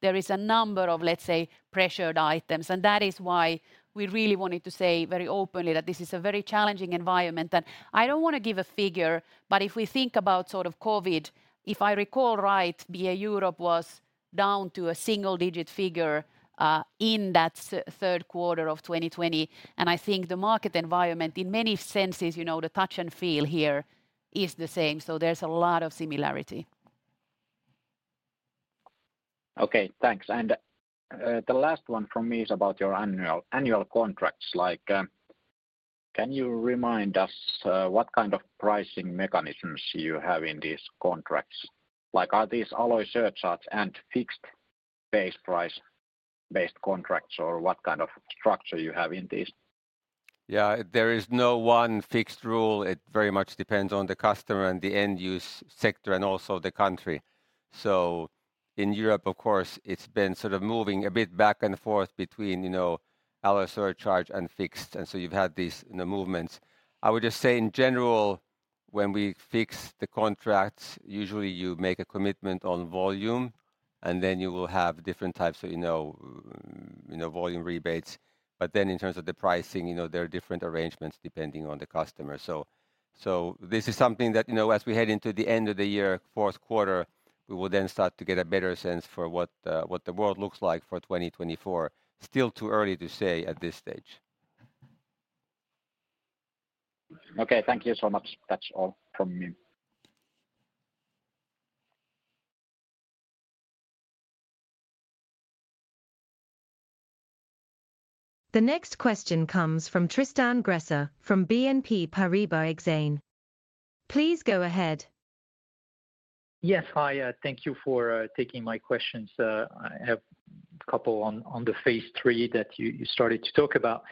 There is a number of, let's say, pressured items, and that is why we really wanted to say very openly that this is a very challenging environment. I don't wanna give a figure, but if we think about sort of COVID, if I recall right, BA Europe was down to a single-digit figure, in that third quarter of 2020. I think the market environment, in many senses, you know, the touch and feel here is the same, so there's a lot of similarity. Okay, thanks. The last one from me is about your annual, annual contracts. Like, can you remind us, what kind of pricing mechanisms you have in these contracts? Like, are these alloy surcharges and fixed base price-based contracts, or what kind of structure you have in these? Yeah, there is no one fixed rule. It very much depends on the customer and the end-use sector, and also the country. In Europe, of course, it's been sort of moving a bit back and forth between, you know, alloy surcharge and fixed, and so you've had these, you know, movements. I would just say, in general, when we fix the contracts, usually you make a commitment on volume, and then you will have different types of, you know, you know, volume rebates. Then in terms of the pricing, you know, there are different arrangements depending on the customer. This is something that, you know, as we head into the end of the year, fourth quarter, we will then start to get a better sense for what the, what the world looks like for 2024. Still too early to say at this stage. Okay, thank you so much. That's all from me. The next question comes from Tristan Gresser from BNP Paribas Exane. Please go ahead. Yes. Hi, thank you for taking my questions. I have a couple on, on the phase three that you started to talk about.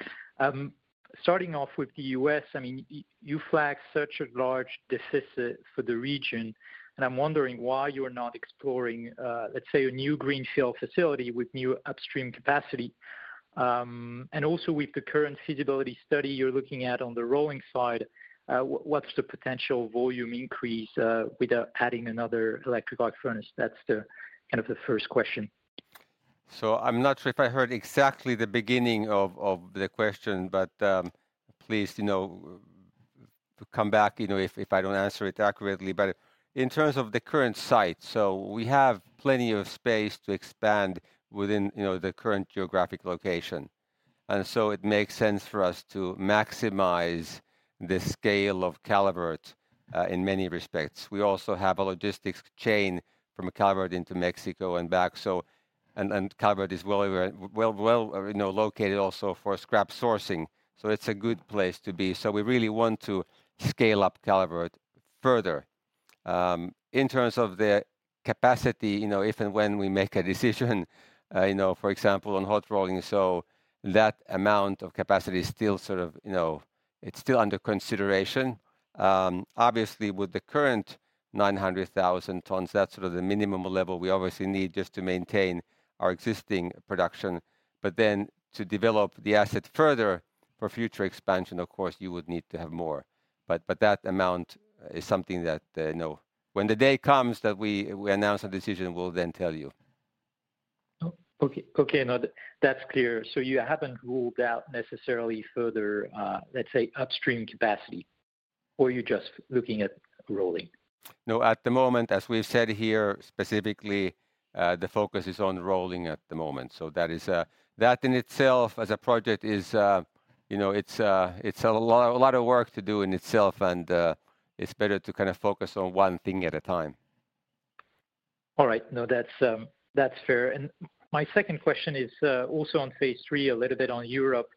Starting off with the U.S., I mean, you flagged such a large deficit for the region, and I'm wondering why you are not exploring, let's say, a new greenfield facility with new upstream capacity. Also, with the current feasibility study you're looking at on the rolling side, what, what's the potential volume increase, without adding another electric arc furnace? That's the, kind of the first question. I'm not sure if I heard exactly the beginning of, of the question, but please, you know, come back, you know, if, if I don't answer it accurately. In terms of the current site, we have plenty of space to expand within, you know, the current geographic location, and it makes sense for us to maximize the scale of Calvert in many respects. We also have a logistics chain from Calvert into Mexico and back. Calvert is well over, well, you know, located also for scrap sourcing, so it's a good place to be. We really want to scale up Calvert further. In terms of the capacity, you know, if and when we make a decision, you know, for example, on hot rolling, so that amount of capacity is still sort of. It's still under consideration. Obviously, with the current 900,000 tons, that's sort of the minimum level we obviously need just to maintain our existing production. Then to develop the asset further for future expansion, of course, you would need to have more, but, but that amount is something that, you know, when the day comes that we, we announce a decision, we'll then tell you. Oh, okay. Okay, now that's clear. You haven't ruled out necessarily further, let's say, upstream capacity, or you're just looking at rolling? No, at the moment, as we've said here, specifically, the focus is on rolling at the moment. That is, that in itself as a project is, you know, it's, it's a lot, a lot of work to do in itself, and it's better to kind of focus on one thing at a time. All right. No, that's, that's fair. My second question is also on phase three, a little bit on Europe.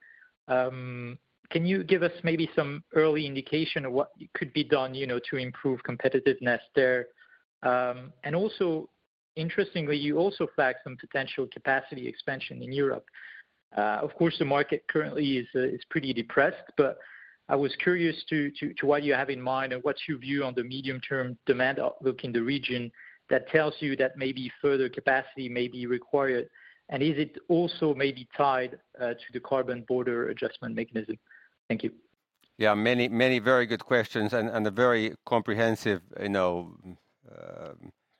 Can you give us maybe some early indication of what could be done, you know, to improve competitiveness there? Also interestingly, you also flagged some potential capacity expansion in Europe. Of course, the market currently is pretty depressed, but I was curious to what you have in mind and what's your view on the medium-term demand outlook in the region that tells you that maybe further capacity may be required, and is it also maybe tied to the carbon border adjustment mechanism? Thank you. Yeah, many, many very good questions and, and a very comprehensive, you know,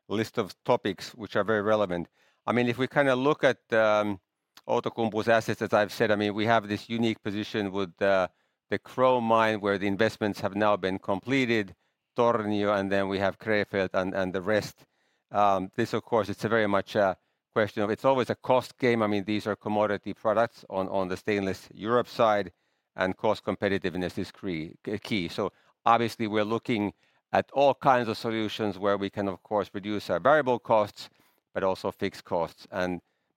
list of topics which are very relevant. I mean, if we kinda look at Outokumpu's assets, as I've said, I mean, we have this unique position with the, the chrome mine, where the investments have now been completed, Tornio, and then we have Krefeld and, and the rest. This, of course, it's a very much a question of. It's always a cost game. I mean, these are commodity products on, on the Stainless Europe side, and cost competitiveness is key. So obviously, we're looking at all kinds of solutions where we can, of course, reduce our variable costs, but also fixed costs.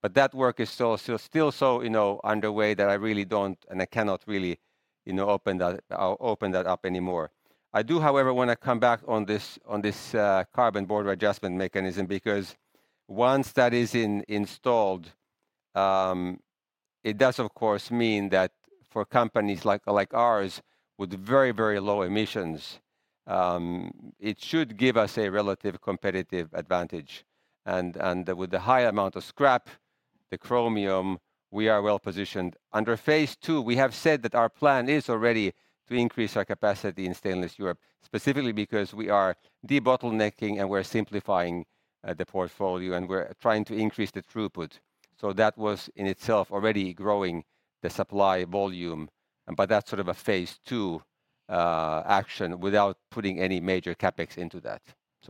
But that work is still, still, still so, you know, underway that I really don't, and I cannot really, you know, open that open that up anymore. I do, however, wanna come back on this, on this carbon border adjustment mechanism, because once that is in installed, it does, of course, mean that for companies like, like ours, with very, very low emissions, it should give us a relative competitive advantage. With the high amount of scrap, the chromium, we are well positioned. Under phase two, we have said that our plan is already to increase our capacity in Stainless Europe, specifically because we are debottlenecking and we're simplifying the portfolio, and we're trying to increase the throughput. That was, in itself, already growing the supply volume, but that's sort of a phase two action without putting any major CapEx into that.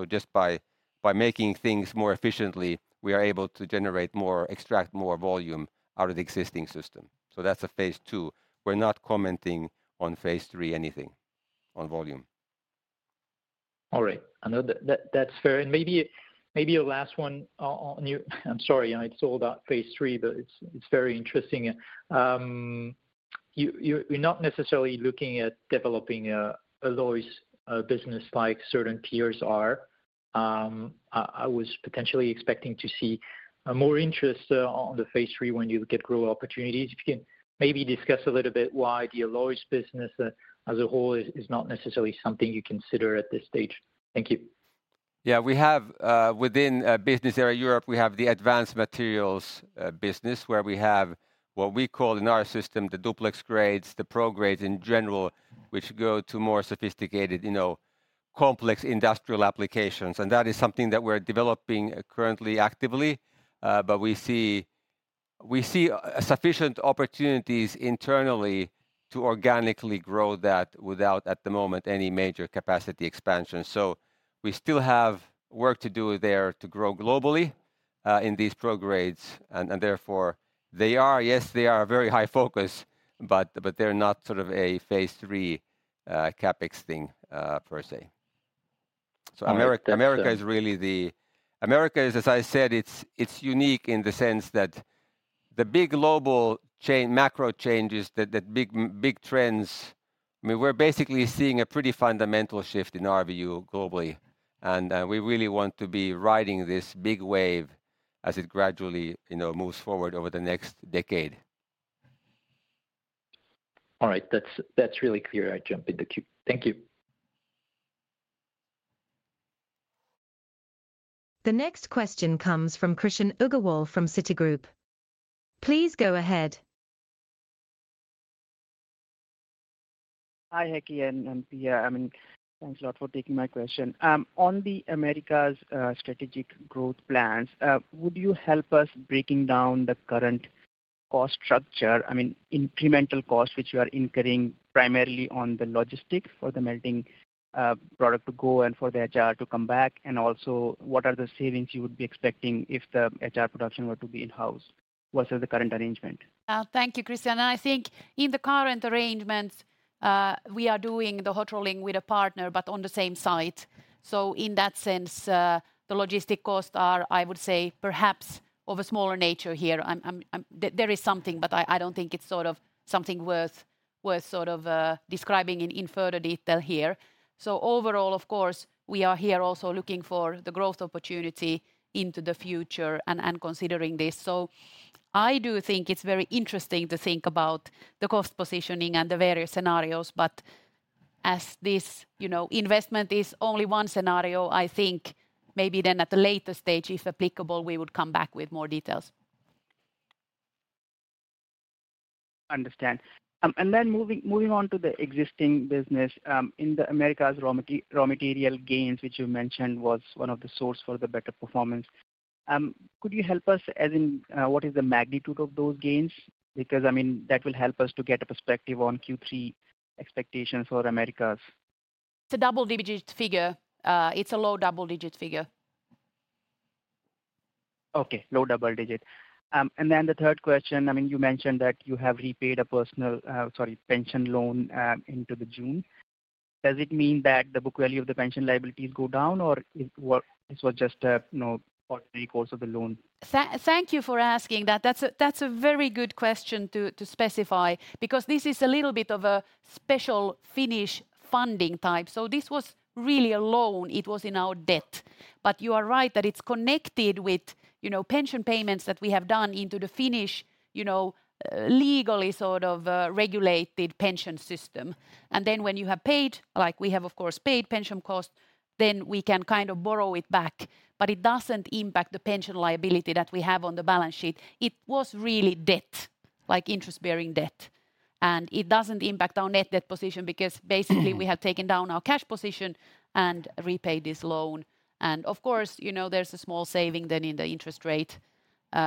Just by, by making things more efficiently, we are able to generate more, extract more volume out of the existing system. That's a Phase Two. We're not commenting on Phase Three, anything on volume. All right. I know that, that, that's fair. Maybe, maybe a last one on, on you. I'm sorry, it's all about phase three, but it's, it's very interesting. You're not necessarily looking at developing alloys business like certain peers are. I was potentially expecting to see more interest on the phase three when you get growth opportunities. If you can maybe discuss a little bit why the alloys business as, as a whole is, is not necessarily something you consider at this stage. Thank you. Yeah, we have, within business area Europe, we have the advanced materials business, where we have what we call in our system, the duplex grades, the pro grades in general, which go to more sophisticated, you know, complex industrial applications, and that is something that we're developing currently, actively. But we see, we see sufficient opportunities internally to organically grow that without, at the moment, any major capacity expansion. We still have work to do there to grow globally, in these pro grades, and therefore, they are... Yes, they are a very high focus, but, but they're not sort of a phase three, CapEx thing, per se. All right. America, America is really America is, as I said, it's, it's unique in the sense that the big global chain, macro changes, the big trends, I mean, we're basically seeing a pretty fundamental shift in RBU globally, and we really want to be riding this big wave as it gradually, you know, moves forward over the next decade. All right. That's, that's really clear. I jump in the queue. Thank you. The next question comes from Krishan Agarwal from Citigroup. Please go ahead. Hi, Heikki and Pia. I mean, thanks a lot for taking my question. On the Americas, strategic growth plans, would you help us breaking down the current cost structure? I mean, incremental costs, which you are incurring primarily on the logistics for the melting, product to go and for the HR to come back. Also, what are the savings you would be expecting if the HR production were to be in-house versus the current arrangement? Thank you, Krishan. I think in the current arrangements, we are doing the hot rolling with a partner, but on the same site. In that sense, the logistic costs are, I would say, perhaps of a smaller nature here. There is something, but I, I don't think it's sort of something worth, worth sort of, describing in further detail here. Overall, of course, we are here also looking for the growth opportunity into the future and, and considering this. I do think it's very interesting to think about the cost positioning and the various scenarios, but as this, you know, investment is only one scenario, I think maybe then at a later stage, if applicable, we would come back with more details. Understand. Moving, moving on to the existing business, in the Americas, raw raw material gains, which you mentioned, was one of the source for the better performance. Could you help us as in, what is the magnitude of those gains? Because, I mean, that will help us to get a perspective on Q3 expectations for Americas. It's a double-digit figure. It's a low double-digit figure. Okay, low double digit. Then the third question, I mean, you mentioned that you have repaid a personal, sorry, pension loan, into the June. Does it mean that the book value of the pension liabilities go down, or it was, this was just a, you know, ordinary course of the loan? Thank you for asking that. That's a, that's a very good question to, to specify, because this is a little bit of a special Finnish funding type. This was really a loan. It was in our debt. You are right that it's connected with, you know, pension payments that we have done into the Finnish, you know, legally sort of, regulated pension system. Then when you have paid, like we have, of course, paid pension costs, then we can kind of borrow it back, but it doesn't impact the pension liability that we have on the balance sheet. It was really debt, like interest-bearing debt, and it doesn't impact our net debt position, because basically, we have taken down our cash position and repaid this loan. Of course, you know, there's a small saving then in the interest rate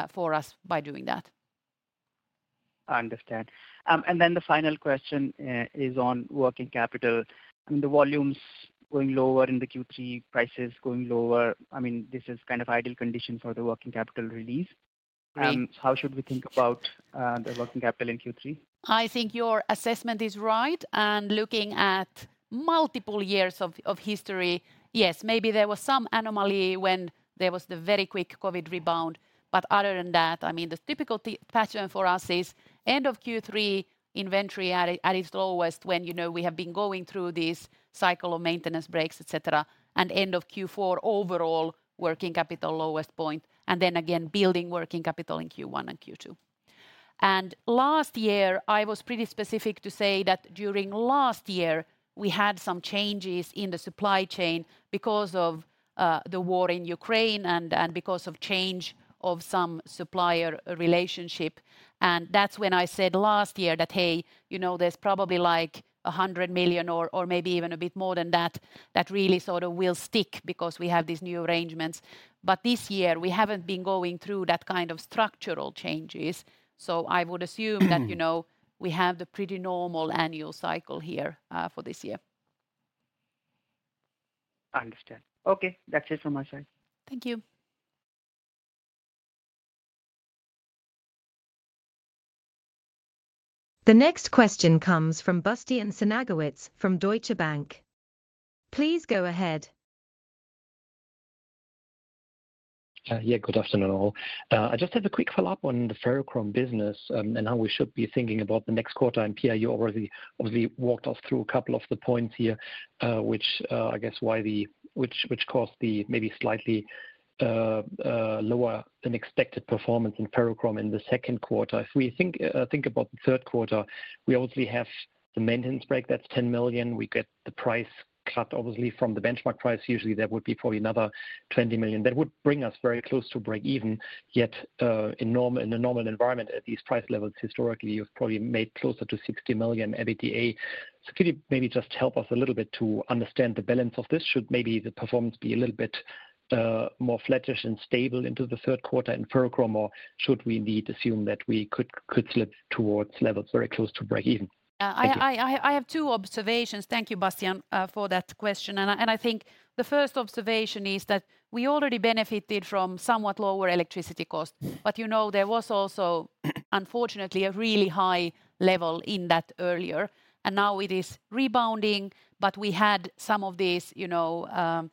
for us by doing that. I understand. The final question, is on working capital. I mean, the volumes going lower in the Q3, prices going lower, I mean, this is kind of ideal condition for the working capital release. Right. How should we think about the working capital in Q3? I think your assessment is right, looking at multiple years of history, yes, maybe there was some anomaly when there was the very quick COVID rebound. Other than that, I mean, the typical pattern for us is end of Q3, inventory at its lowest, when, you know, we have been going through this cycle of maintenance breaks, et cetera. End of Q4, overall working capital, lowest point, and then again, building working capital in Q1 and Q2. Last year, I was pretty specific to say that during last year we had some changes in the supply chain because of the war in Ukraine and because of change of some supplier relationship. That's when I said last year that, "Hey, you know, there's probably like 100 million or, or maybe even a bit more than that, that really sort of will stick because we have these new arrangements." This year we haven't been going through that kind of structural changes. I would assume that you know, we have the pretty normal annual cycle here for this year. I understand. Okay, that's it from my side. Thank you. The next question comes from Bastian Synagowitz from Deutsche Bank. Please go ahead. Yeah, good afternoon, all. I just have a quick follow-up on the ferrochrome business, and how we should be thinking about the next quarter. Pia, you already obviously walked us through a couple of the points here, which caused the maybe slightly lower than expected performance in ferrochrome in the second quarter. If we think, think about the third quarter, we obviously have the maintenance break, that's 10 million. We get the price cut, obviously, from the benchmark price. Usually, that would be probably another 20 million. That would bring us very close to break even. Yet, in a normal environment at these price levels, historically, you've probably made closer to 60 million EBITDA. Could you maybe just help us a little bit to understand the balance of this? Should maybe the performance be a little bit more flattish and stable into the third quarter in ferrochrome, or should we indeed assume that we could, could slip towards levels very close to break even? Yeah. Thank you. I have two observations. Thank you, Bastian, for that question. I, and I think the first observation is that we already benefited from somewhat lower electricity costs. You know, there was also, unfortunately, a really high level in that earlier, and now it is rebounding. We had some of these, you know,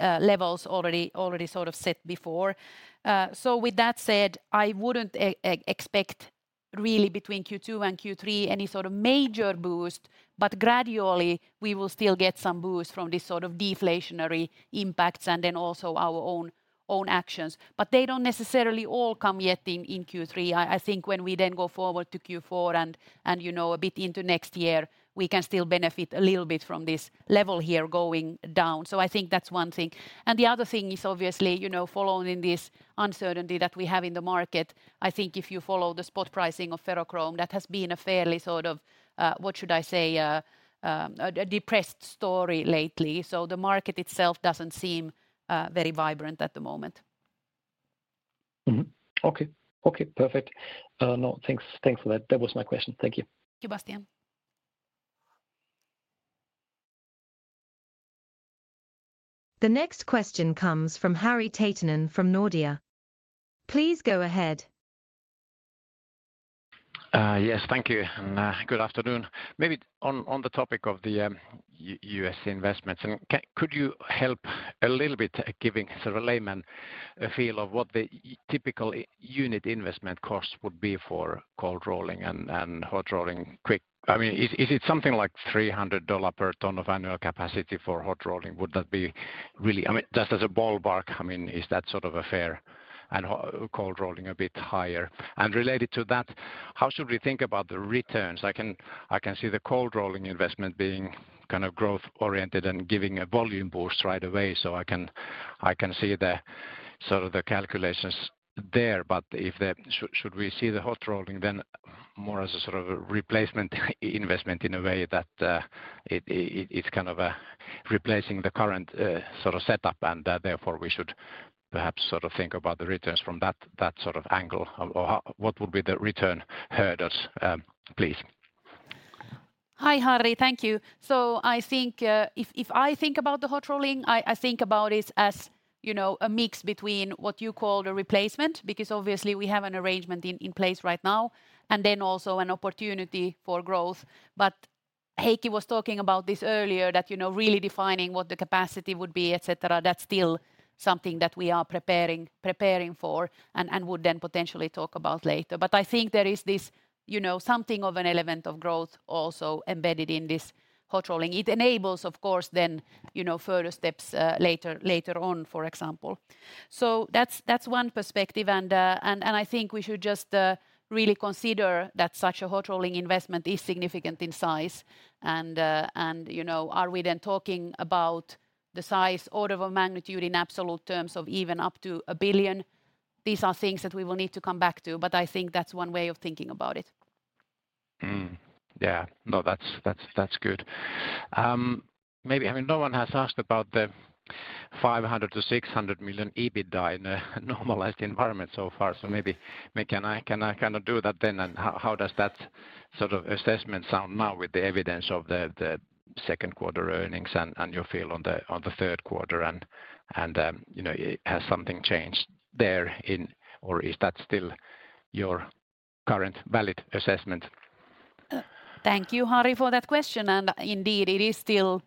levels already, already sort of set before. With that said, I wouldn't expect really between Q2 and Q3 any sort of major boost, but gradually we will still get some boost from this sort of deflationary impacts and then also our own, own actions. They don't necessarily all come yet in, in Q3. I, I think when we then go forward to Q4 and, and, you know, a bit into next year, we can still benefit a little bit from this level here going down. I think that's one thing. The other thing is obviously, you know, following this uncertainty that we have in the market, I think if you follow the spot pricing of ferrochrome, that has been a fairly sort of, what should I say? A depressed story lately. The market itself doesn't seem very vibrant at the moment. Okay. Okay, perfect. No, thanks, thanks for that. That was my question. Thank you. Thank you, Bastian. The next question comes from Harri Taittonen from Nordea. Please go ahead. Yes, thank you, and good afternoon. Maybe on, on the topic of the U.S. investments, could you help a little bit giving the layman a feel of what the typical unit investment cost would be for cold rolling and hot rolling quick? I mean, is it something like $300 per ton of annual capacity for hot rolling? Would that be really? I mean, just as a ballpark, I mean, is that sort of fair, and cold rolling a bit higher? Related to that, how should we think about the returns? I can, I can see the cold rolling investment being kind of growth-oriented and giving a volume boost right away, so I can, I can see the, sort of, the calculations there. If the... Should, should we see the hot rolling then more as a sort of replacement investment in a way that, it, it, it's kind of, replacing the current, sort of, setup, and therefore we should perhaps, sort of, think about the returns from that, that sort of angle? Or how, what would be the return hurdles, please? Hi, Harri. Thank you. I think, if, if I think about the hot rolling, I, I think about it as, you know, a mix between what you call the replacement, because obviously we have an arrangement in, in place right now, and then also an opportunity for growth. Heikki was talking about this earlier, that, you know, really defining what the capacity would be, et cetera, that's still something that we are preparing, preparing for and, and would then potentially talk about later. I think there is this, you know, something of an element of growth also embedded in this hot rolling. It enables, of course, then, you know, further steps, later, later on, for example. That's, that's one perspective, and, and I think we should just, really consider that such a hot rolling investment is significant in size. You know, are we then talking about the size order of a magnitude in absolute terms of even up to 1 billion? These are things that we will need to come back to, but I think that's one way of thinking about it. Yeah. No, that's, that's, that's good. Maybe... I mean, no one has asked about the 500 million-600 million EBITDA in a normalized environment so far, so maybe, maybe can I, can I kind of do that then? How, how does that sort of assessment sound now with the evidence of the, the second quarter earnings and, and your feel on the, on the third quarter and, and, you know, has something changed there in, or is that still your current valid assessment? Thank you, Harri, for that question. Indeed, it is still,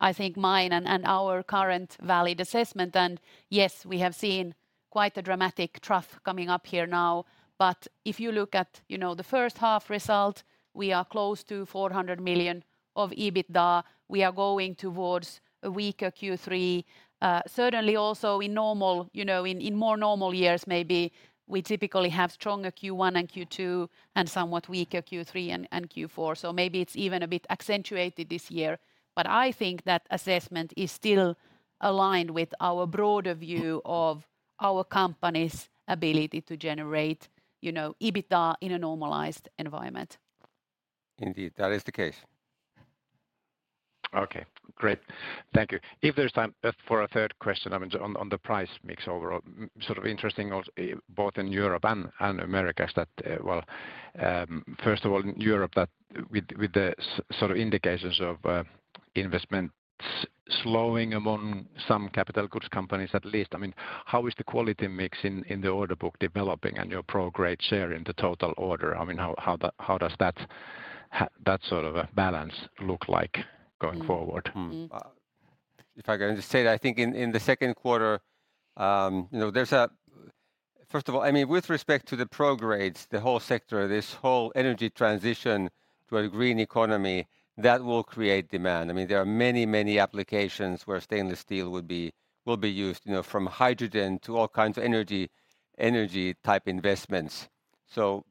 I think, mine and our current valid assessment. Yes, we have seen quite a dramatic trough coming up here now. If you look at, you know, the first half result, we are close to 400 million of EBITDA. We are going towards a weaker Q3. Certainly also in normal, you know, in more normal years, maybe we typically have stronger Q1 and Q2, and somewhat weaker Q3 and Q4. Maybe it's even a bit accentuated this year. I think that assessment is still aligned with our broader view of our company's ability to generate, you know, EBITDA in a normalized environment. Indeed, that is the case. Okay, great. Thank you. If there's time, for a third question, I mean, on, on the price mix overall. Sort of interesting, both in Europe and Americas that, Well, first of all, in Europe that with, with the sort of indications of, investment slowing among some capital goods companies at least, I mean, how is the quality mix in, in the order book developing and your pro grade share in the total order? I mean, how, how the, how does that that sort of a balance look like going forward? If I can just say, I think in, in the second quarter, you know, First of all, I mean, with respect to the pro grades, the whole sector, this whole energy transition to a green economy, that will create demand. I mean, there are many, many applications where stainless steel would be, will be used, you know, from hydrogen to all kinds of energy, energy type investments. You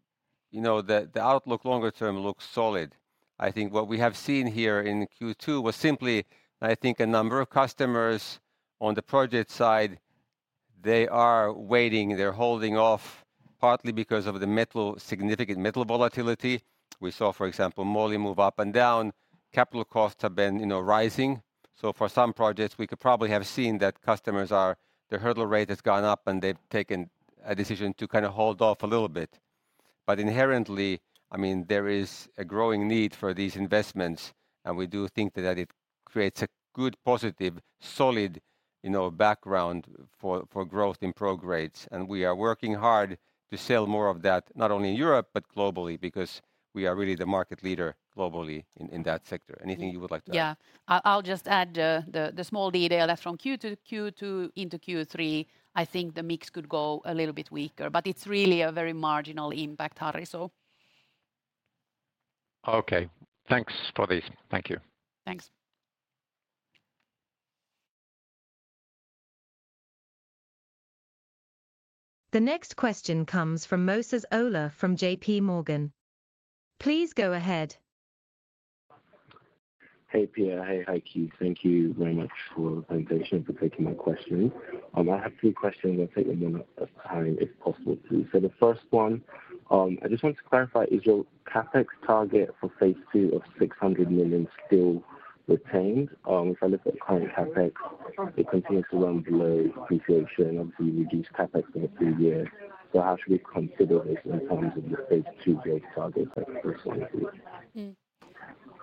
know, the, the outlook longer term looks solid. I think what we have seen here in Q2 was simply, I think, a number of customers on the project side, they are waiting. They're holding off partly because of the metal, significant metal volatility. We saw, for example, moly move up and down. Capital costs have been, you know, rising. For some projects, we could probably have seen that customers are Their hurdle rate has gone up, and they've taken a decision to kind of hold off a little bit. Inherently, I mean, there is a growing need for these investments, and we do think that it creates a good, positive, solid, you know, background for, for growth in pro grades. We are working hard to sell more of that, not only in Europe, but globally, because we are really the market leader globally in, in that sector. Anything you would like to add? Yeah. I'll, I'll just add, the, the small detail that from Q2, Q2 into Q3, I think the mix could go a little bit weaker. It's really a very marginal impact, Harri, so. Okay, thanks for this. Thank you. Thanks. The next question comes from Moses Ola from JPMorgan. Please go ahead. Hey, Pia. Hey, Heikki. Thank you very much for the invitation, for taking my question. I have 2 questions. I'll take them 1 at a time, if possible, please. The first one, I just wanted to clarify: Is your CapEx target for phase two of 600 million still retained? If I look at current CapEx, it continues to run below appreciation, obviously reduced CapEx in a few years. How should we consider this in terms of the phase two growth target, first one, please?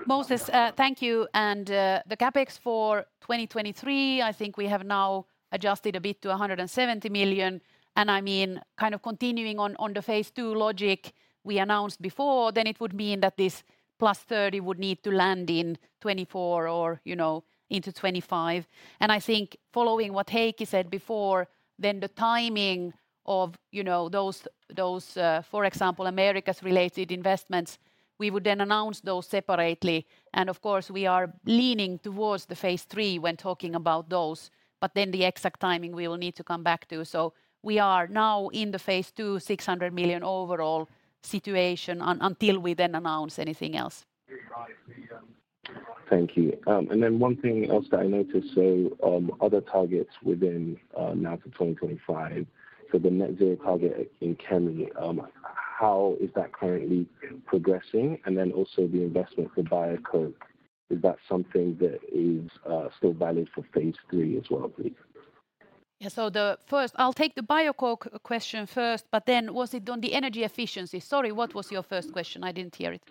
Moses, thank you. The CapEx for 2023, I think we have now adjusted a bit to 170 million. I mean, kind of continuing on, on the phase two logic we announced before, it would mean that this +30 million would need to land in 2024 or, you know, into 2025. I think following what Heikki said before, the timing of, you know, those, those, for example, Americas related investments, we would then announce those separately. Of course, we are leaning towards the phase three when talking about those, but the exact timing we will need to come back to. We are now in the phase two, 600 million overall situation until we then announce anything else. Thank you. One thing else that I noticed, other targets within now to 2025, the net zero target in Kemi, how is that currently progressing? Also the investment for Biocoke, is that something that is still valid for phase three as well, please? Yeah, the first, I'll take the biocoque question first, but then was it on the energy efficiency? Sorry, what was your first question? I didn't hear it.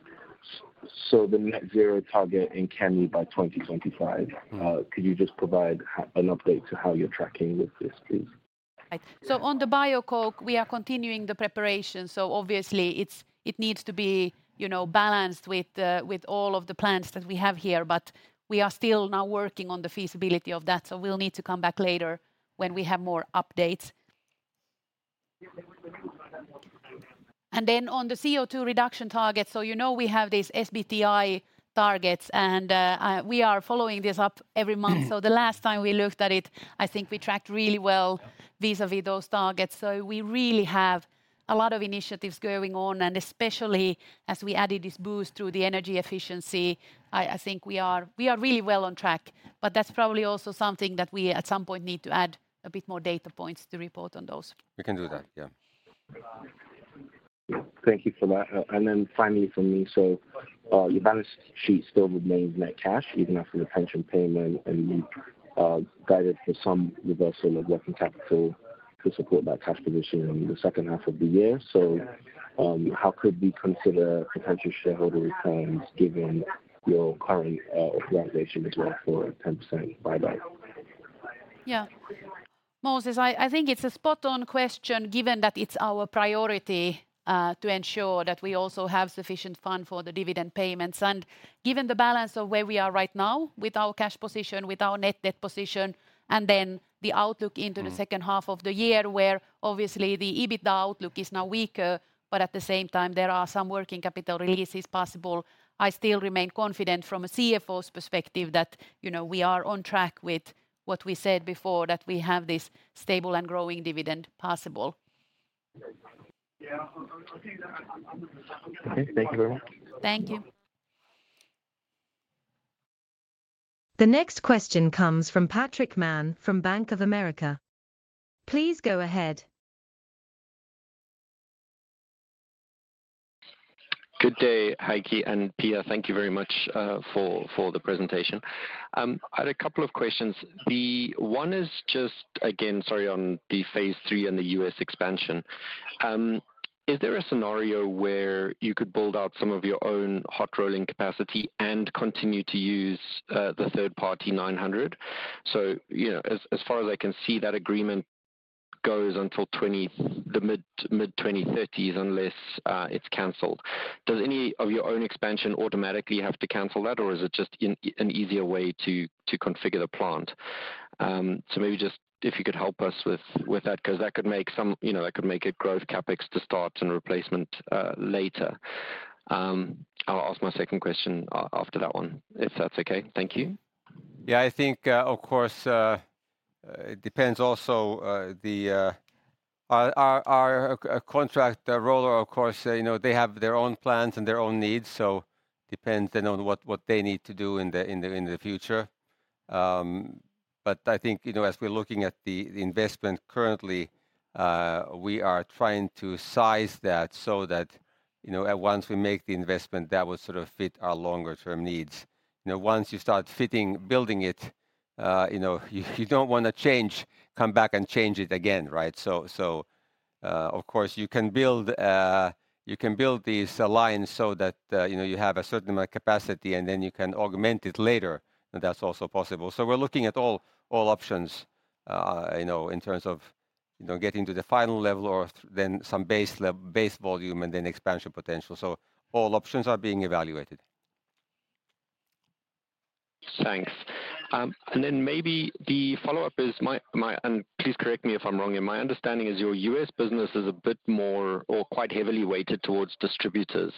So the net zero target in Kemi by 2025, could you just provide an update to how you're tracking with this, please? On the biocoque, we are continuing the preparation, so obviously, it needs to be, you know, balanced with the, with all of the plans that we have here. We are still now working on the feasibility of that, so we'll need to come back later when we have more updates. On the CO2 reduction target, so you know we have these SBTi targets, and we are following this up every month. Mm-hmm. The last time we looked at it, I think we tracked really well vis-a-vis those targets. We really have a lot of initiatives going on, and especially as we added this boost through the energy efficiency, I think we are really well on track. That's probably also something that we, at some point, need to add a bit more data points to report on those. We can do that, yeah. Thank you for that. Finally, for me, your balance sheet still remains net cash, even after the pension payment, and you guided for some reversal of working capital to support that cash position in the second half of the year. How could we consider potential shareholder returns, given your current organization as well, for a 10% buyback? Yeah. Moses, I think it's a spot-on question, given that it's our priority to ensure that we also have sufficient fund for the dividend payments. Given the balance of where we are right now with our cash position, with our net debt position, and then the outlook into... Mm The second half of the year, where obviously the EBITDA outlook is now weaker, but at the same time, there are some working capital releases possible. I still remain confident from a CFO's perspective that, you know, we are on track with what we said before, that we have this stable and growing dividend possible. Yeah, okay. Thank you very much. Thank you. The next question comes from Patrick Mann from Bank of America. Please go ahead. Good day, Heikki and Pia. Thank you very much for the presentation. I had a couple of questions. The one is just again, sorry, on the Phase three and the U.S. expansion. Is there a scenario where you could build out some of your own hot rolling capacity and continue to use the third-party 900? You know, as far as I can see, that agreement goes until the mid-2030s, unless it's canceled. Does any of your own expansion automatically have to cancel that, or is it just an easier way to configure the plant? So maybe just if you could help us with that, 'cause that could make, you know, that could make a growth CapEx to start and replacement later. I'll ask my second question after that one, if that's okay. Thank you. Yeah, I think, of course, it depends also, the, our, our, our, contract roller, of course, you know, they have their own plans and their own needs, so depends then on what, what they need to do in the, in the, in the future. I think, you know, as we're looking at the, the investment currently, we are trying to size that so that, you know, at once we make the investment, that would sort of fit our longer-term needs. You know, once you start fitting, building it, you know, you, you don't wanna change, come back and change it again, right? Of course, you can build, you can build these lines so that, you know, you have a certain amount of capacity, and then you can augment it later, and that's also possible. We're looking at all, all options, you know, in terms of, you know, getting to the final level or then some base volume and then expansion potential. All options are being evaluated. Thanks. Maybe the follow-up is. Please correct me if I'm wrong. In my understanding is your U.S. business is a bit more or quite heavily weighted towards distributors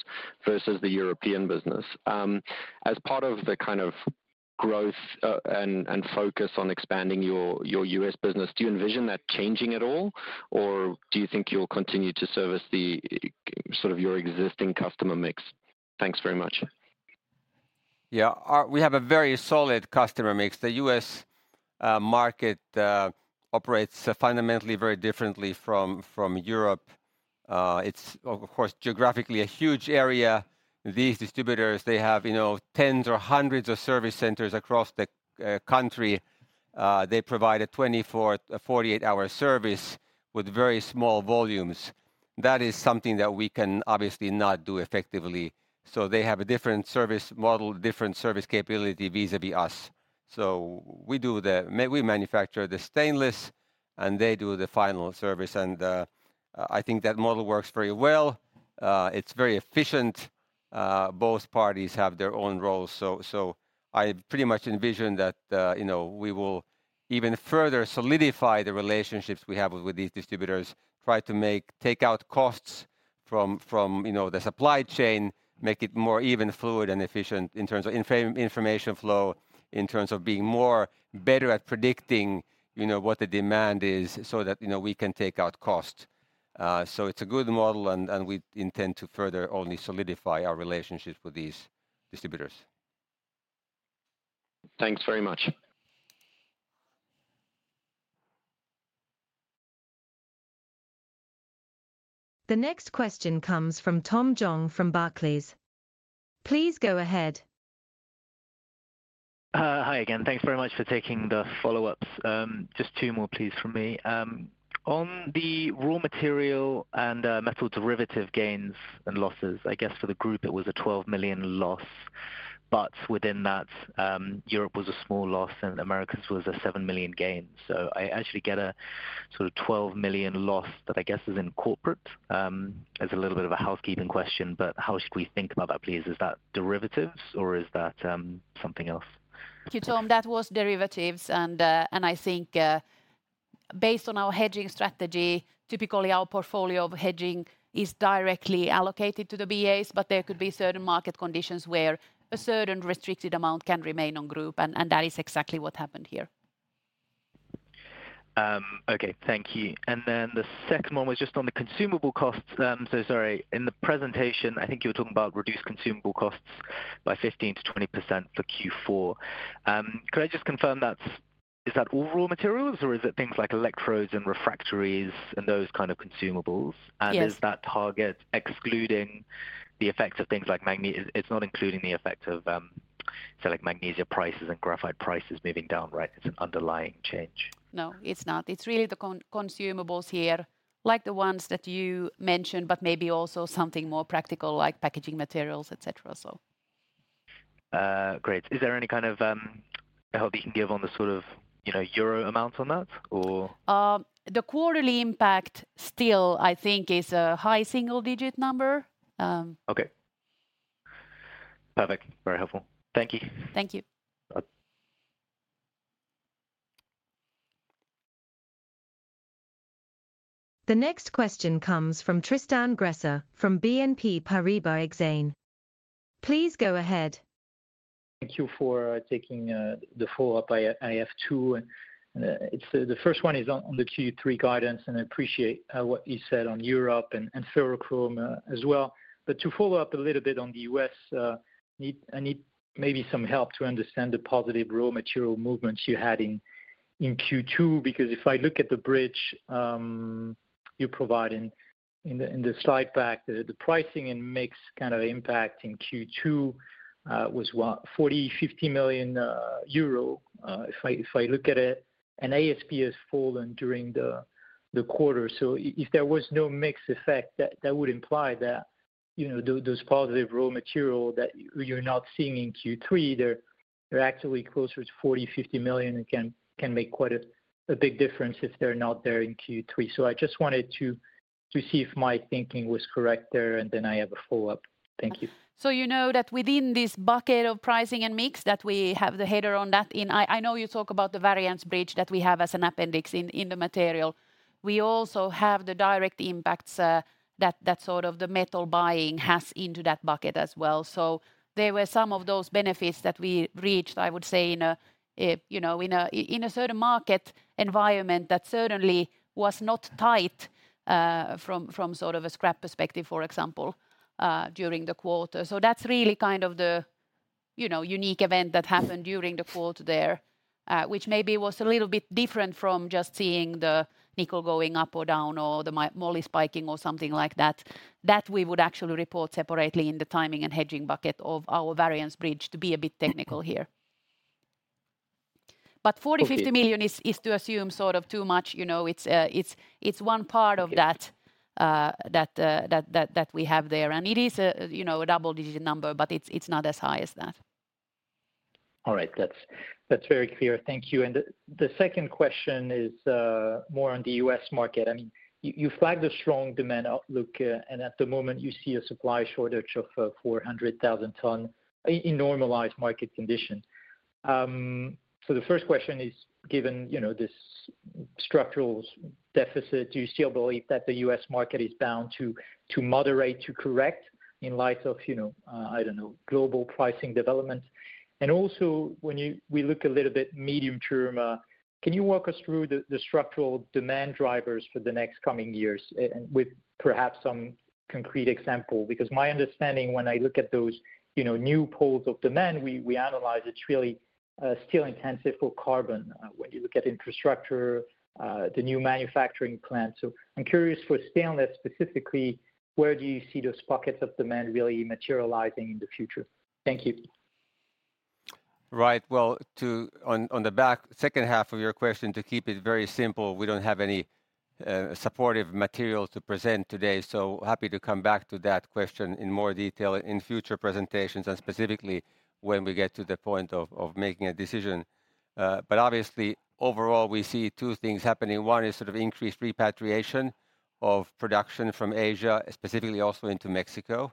versus the European business. As part of the kind of growth, and, and focus on expanding your, your U.S. business, do you envision that changing at all, or do you think you'll continue to service the, sort of your existing customer mix? Thanks very much. Yeah, our-- we have a very solid customer mix. The U.S. market operates fundamentally very differently from, from Europe. It's of course, geographically, a huge area. These distributors, they have, you know, tens or hundreds of service centers across the country. They provide a 24, a 48-hour service with very small volumes. That is something that we can obviously not do effectively. They have a different service model, different service capability vis-a-vis us. We manufacture the stainless, and they do the final service. I think that model works very well. It's very efficient. Both parties have their own roles, so, so I pretty much envision that, you know, we will even further solidify the relationships we have with these distributors. Try to take out costs from, you know, the supply chain, make it more even fluid and efficient in terms of information flow, in terms of being more better at predicting, you know, what the demand is so that, you know, we can take out cost. It's a good model, and we intend to further only solidify our relationships with these distributors. Thanks very much. The next question comes from Tom Zhang from Barclays. Please go ahead. Hi again. Thanks very much for taking the follow-ups. Just two more, please, from me. On the raw material and metal derivative gains and losses, I guess for the group it was a 12 million loss. Within that, Europe was a small loss, and Americas was a 7 million gain. I actually get a sort of 12 million loss that I guess is in corporate. As a little bit of a housekeeping question, how should we think about that, please? Is that derivatives or is that something else? Thank you, Tom. That was derivatives, and, and I think, based on our hedging strategy, typically our portfolio of hedging is directly allocated to the BAs, but there could be certain market conditions where a certain restricted amount can remain on group, and that is exactly what happened here. Okay. Thank you. The second one was just on the consumable costs. Sorry, in the presentation, I think you were talking about reduced consumable costs by 15%-20% for Q4. Could I just confirm is that all raw materials, or is it things like electrodes and refractories and those kind of consumables? Yes. Is that target excluding the effects of things like magne--? It's, it's not including the effect of, say, like magnesium prices and graphite prices moving down, right? It's an underlying change. No, it's not. It's really the consumables here, like the ones that you mentioned, but maybe also something more practical like packaging materials, et cetera, so. Great. Is there any kind of, help you can give on the sort of, you know, euro amounts on that, or? The quarterly impact still, I think, is a high single-digit number. Okay. Perfect. Very helpful. Thank you. Thank you. Bye. The next question comes from Tristan Gresser from BNP Paribas Exane. Please go ahead. Thank you for taking the follow-up. I have two. It's... The first one is on the Q3 guidance, and I appreciate what you said on Europe and ferrochrome as well. To follow up a little bit on the U.S., I need maybe some help to understand the positive raw material movements you had in Q2. If I look at the bridge you provide in the slide pack, the pricing and mix kind of impact in Q2 was, what? 40 million-50 million euro, if I look at it, and ASP has fallen during the quarter. If there was no mix effect, that, that would imply that, you know, those, those positive raw material that you're not seeing in Q3, they're, they're actually closer to 40 million-50 million and can, can make quite a, a big difference if they're not there in Q3. I just wanted to, to see if my thinking was correct there, and then I have a follow-up. Thank you. You know that within this bucket of pricing and mix, that we have the header on that. I, I know you talk about the variance bridge that we have as an appendix in, in the material. We also have the direct impacts that, that sort of the metal buying has into that bucket as well. There were some of those benefits that we reached, I would say, in a, you know, in a, in a certain market environment that certainly was not tight, from, from sort of a scrap perspective, for example, during the quarter. That's really kind of the, you know, unique event that happened during the quarter there, which maybe was a little bit different from just seeing the nickel going up or down or the moly spiking or something like that. We would actually report separately in the timing and hedging bucket of our variance bridge, to be a bit technical here. Okay. 40 million-50 million is, is to assume sort of too much, you know? It's, it's, it's one part- Okay Of that, that, that, that, that we have there. It is a, you know, a double-digit number, but it's, it's not as high as that. All right. That's, that's very clear. Thank you. The second question is more on the U.S. market. I mean, you, you flagged a strong demand outlook, and at the moment you see a supply shortage of 400,000 tons in normalized market conditions. The first question is: Given, you know, this structural deficit, do you still believe that the U.S. market is bound to, to moderate, to correct in light of, you know, I don't know, global pricing developments? Also, when we look a little bit medium term, can you walk us through the, the structural demand drivers for the next coming years, and with perhaps some concrete example? Because my understanding when I look at those, you know, new pools of demand, we, we analyze it's really, steel intensive for carbon, when you look at infrastructure, the new manufacturing plants. I'm curious for stainless specifically, where do you see those pockets of demand really materializing in the future? Thank you. Right. Well, on, on the back, second half of your question, to keep it very simple, we don't have any supportive material to present today. Happy to come back to that question in more detail in future presentations and specifically when we get to the point of, of making a decision. Obviously, overall, we see two things happening. One is sort of increased repatriation of production from Asia, specifically also into Mexico.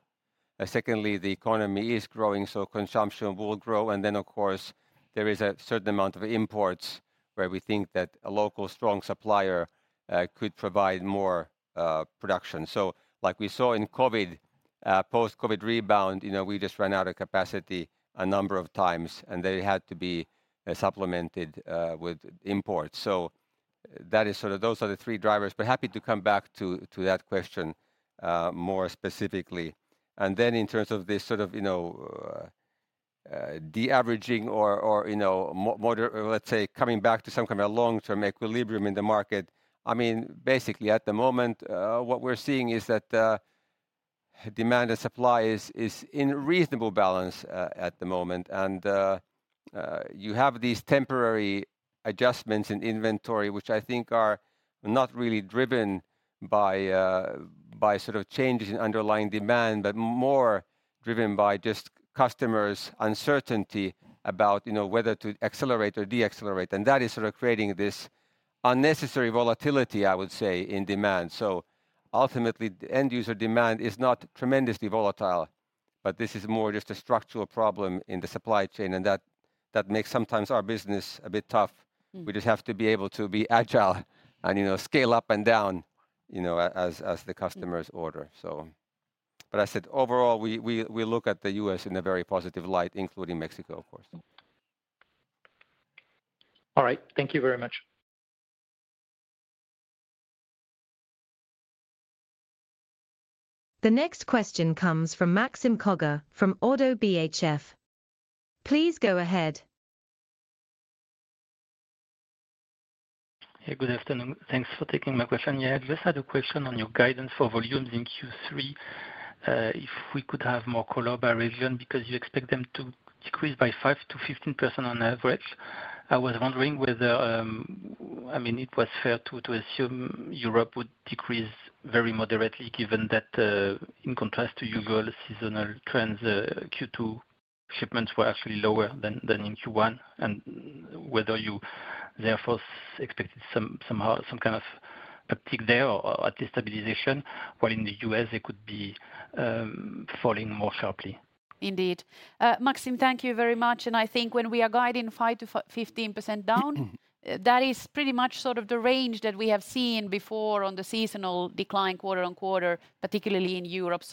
Secondly, the economy is growing, so consumption will grow, and then, of course, there is a certain amount of imports where we think that a local strong supplier could provide more production. Like we saw in COVID, post-COVID rebound, you know, we just ran out of capacity a number of times, and they had to be supplemented with imports. That is sort of, those are the three drivers, but happy to come back to that question more specifically. Then in terms of this sort of, you know, de-averaging or, or, you know, let's say, coming back to some kind of long-term equilibrium in the market. I mean, basically, at the moment, what we're seeing is that demand and supply is, is in reasonable balance at the moment. You have these temporary adjustments in inventory, which I think are not really driven by, by sort of changes in underlying demand, but more driven by just customers' uncertainty about, you know, whether to accelerate or de-accelerate. That is sort of creating this unnecessary volatility, I would say, in demand. Ultimately, the end user demand is not tremendously volatile, but this is more just a structural problem in the supply chain, and that, that makes sometimes our business a bit tough. Mm. We just have to be able to be agile and, you know, scale up and down, you know, as, as the customers order, so. As I said, overall, we, we, we look at the U.S. in a very positive light, including Mexico, of course. Mm. All right. Thank you very much. The next question comes from Maxime Kogge from Oddo BHF. Please go ahead. Hey, good afternoon. Thanks for taking my question. Yeah, I just had a question on your guidance for volumes in Q3. If we could have more color by region, because you expect them to decrease by 5%-15% on average. I was wondering whether, I mean, it was fair to assume Europe would decrease very moderately, given that, in contrast to usual seasonal trends, Q2 shipments were actually lower than in Q1, and whether you therefore expected somehow, some kind of a peak there or, or at least stabilization, while in the U.S. it could be falling more sharply. Indeed. Maxime, thank you very much, and I think when we are guiding 5%-15% Mm-hmm That is pretty much sort of the range that we have seen before on the seasonal decline quarter-on-quarter, particularly in Europe.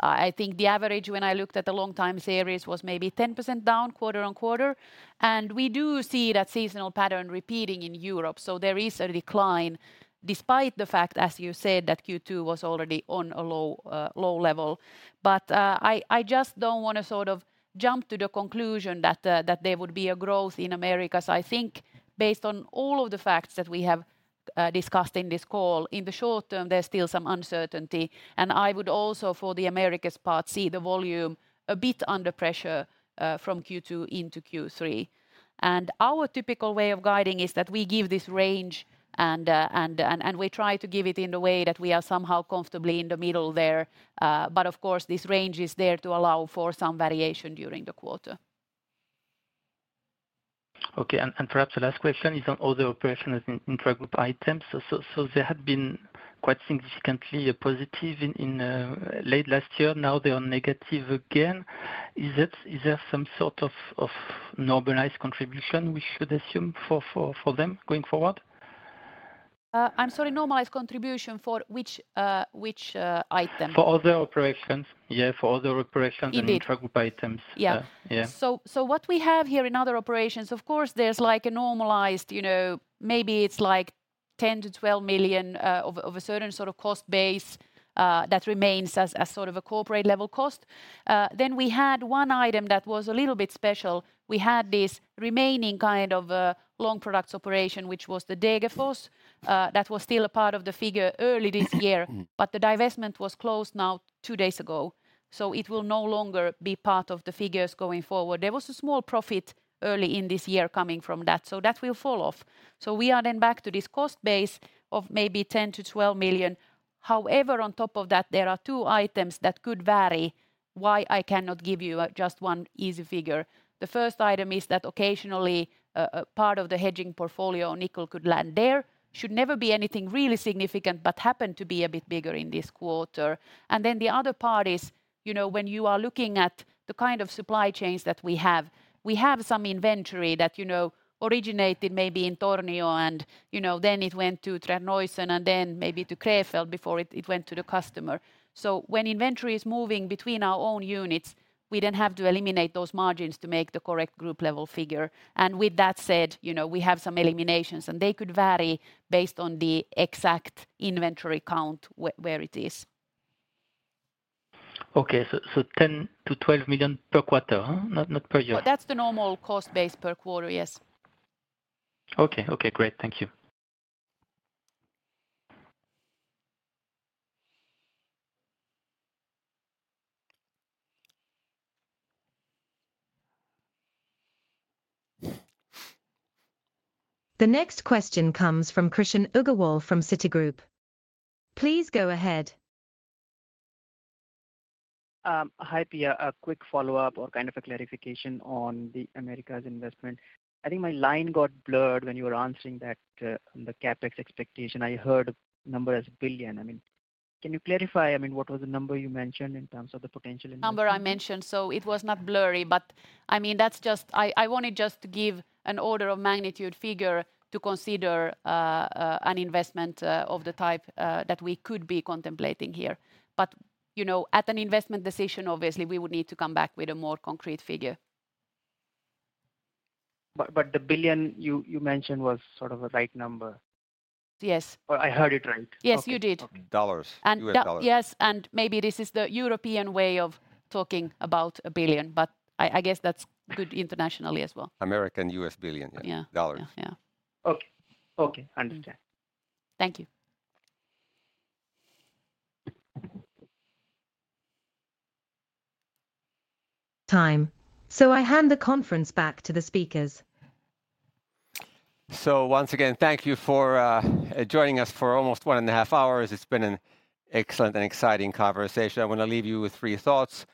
I think the average, when I looked at the long time series, was maybe 10% down, quarter-on-quarter. We do see that seasonal pattern repeating in Europe, so there is a decline, despite the fact, as you said, that Q2 was already on a low, low level. I, I just don't wanna sort of jump to the conclusion that there would be a growth in Americas. I think based on all of the facts that we have discussed in this call, in the short term, there's still some uncertainty, and I would also, for the Americas part, see the volume a bit under pressure from Q2 into Q3. Our typical way of guiding is that we give this range and we try to give it in a way that we are somehow comfortably in the middle there. Of course, this range is there to allow for some variation during the quarter. Okay, perhaps the last question is on other operational intragroup items. They had been quite significantly positive in late last year. Now they are negative again. Is there some sort of normalized contribution we should assume for them going forward? I'm sorry, normalized contribution for which, which, item? For other operations. Yeah, for other operations. Indeed Intragroup items. Yeah. Yeah. What we have here in other operations, of course, there's like a normalized, you know, maybe it's like 10 million-12 million of a certain sort of cost base that remains as, as sort of a corporate level cost. Then we had one item that was a little bit special. We had this remaining kind of long products operation, which was the Degerfors. That was still a part of the figure early this year. Mm-hmm. The divestment was closed now two days ago, so it will no longer be part of the figures going forward. There was a small profit early in this year coming from that, so that will fall off. We are then back to this cost base of maybe 10 million-12 million. However, on top of that, there are two items that could vary, why I cannot give you just one easy figure. The first item is that occasionally, a part of the hedging portfolio on nickel could land there. Should never be anything really significant, but happened to be a bit bigger in this quarter. Then the other part is, you know, when you are looking at the kind of supply chains that we have, we have some inventory that, you know, originated maybe in Tornio and, you know, then it went to Terneuzen and then maybe to Krefeld before it, it went to the customer. When inventory is moving between our own units, we then have to eliminate those margins to make the correct group level figure. With that said, you know, we have some eliminations, and they could vary based on the exact inventory count where it is. Okay. So 10 million-12 million per quarter, huh? Not, not per year. That's the normal cost base per quarter, yes. Okay. Okay, great. Thank you. The next question comes from Krishan Agarwal from Citigroup. Please go ahead. Hi, Pia. A quick follow-up or kind of a clarification on the America's investment. I think my line got blurred when you were answering that, on the CapEx expectation. I heard a number as billion. I mean, can you clarify, I mean, what was the number you mentioned in terms of the potential investment? Number I mentioned, so it was not blurry, but I mean, that's just. I wanted just to give an order of magnitude figure to consider an investment of the type that we could be contemplating here. You know, at an investment decision, obviously, we would need to come back with a more concrete figure. The 1 billion you mentioned was sort of a right number? Yes. I heard it right? Yes, you did. Okay. Dollars. And- U.S. dollars. Yeah. Yes, maybe this is the European way of talking about a billion, but I, I guess that's good internationally as well. American U.S. $ billion, yeah. Yeah. Dollars. Yeah. Okay. Okay, understand. Thank you. Time. I hand the conference back to the speakers. Once again, thank you for joining us for almost 1.5 hours. It's been an excellent and exciting conversation. I wanna leave you with 3 thoughts.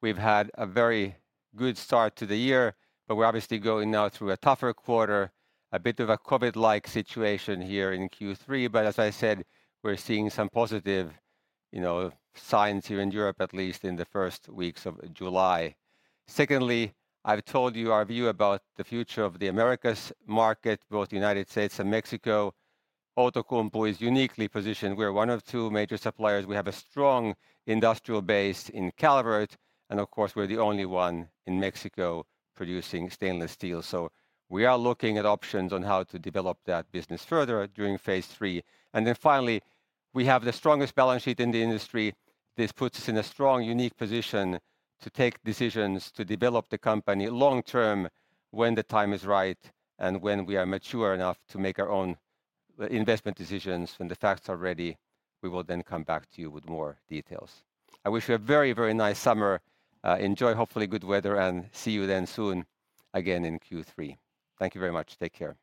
We've had a very good start to the year, we're obviously going now through a tougher quarter, a bit of a COVID-like situation here in Q3. As I said, we're seeing some positive, you know, signs here in Europe, at least in the first weeks of July. Secondly, I've told you our view about the future of the Americas market, both United States and Mexico. Outokumpu is uniquely positioned. We're 1 of 2 major suppliers. We have a strong industrial base in Calvert, and of course, we're the only one in Mexico producing stainless steel. We are looking at options on how to develop that business further during phase three. Finally, we have the strongest balance sheet in the industry. This puts us in a strong, unique position to take decisions to develop the company long term, when the time is right and when we are mature enough to make our own investment decisions. When the facts are ready, we will then come back to you with more details. I wish you a very, very nice summer. Enjoy, hopefully, good weather, and see you then soon again in Q3. Thank you very much. Take care.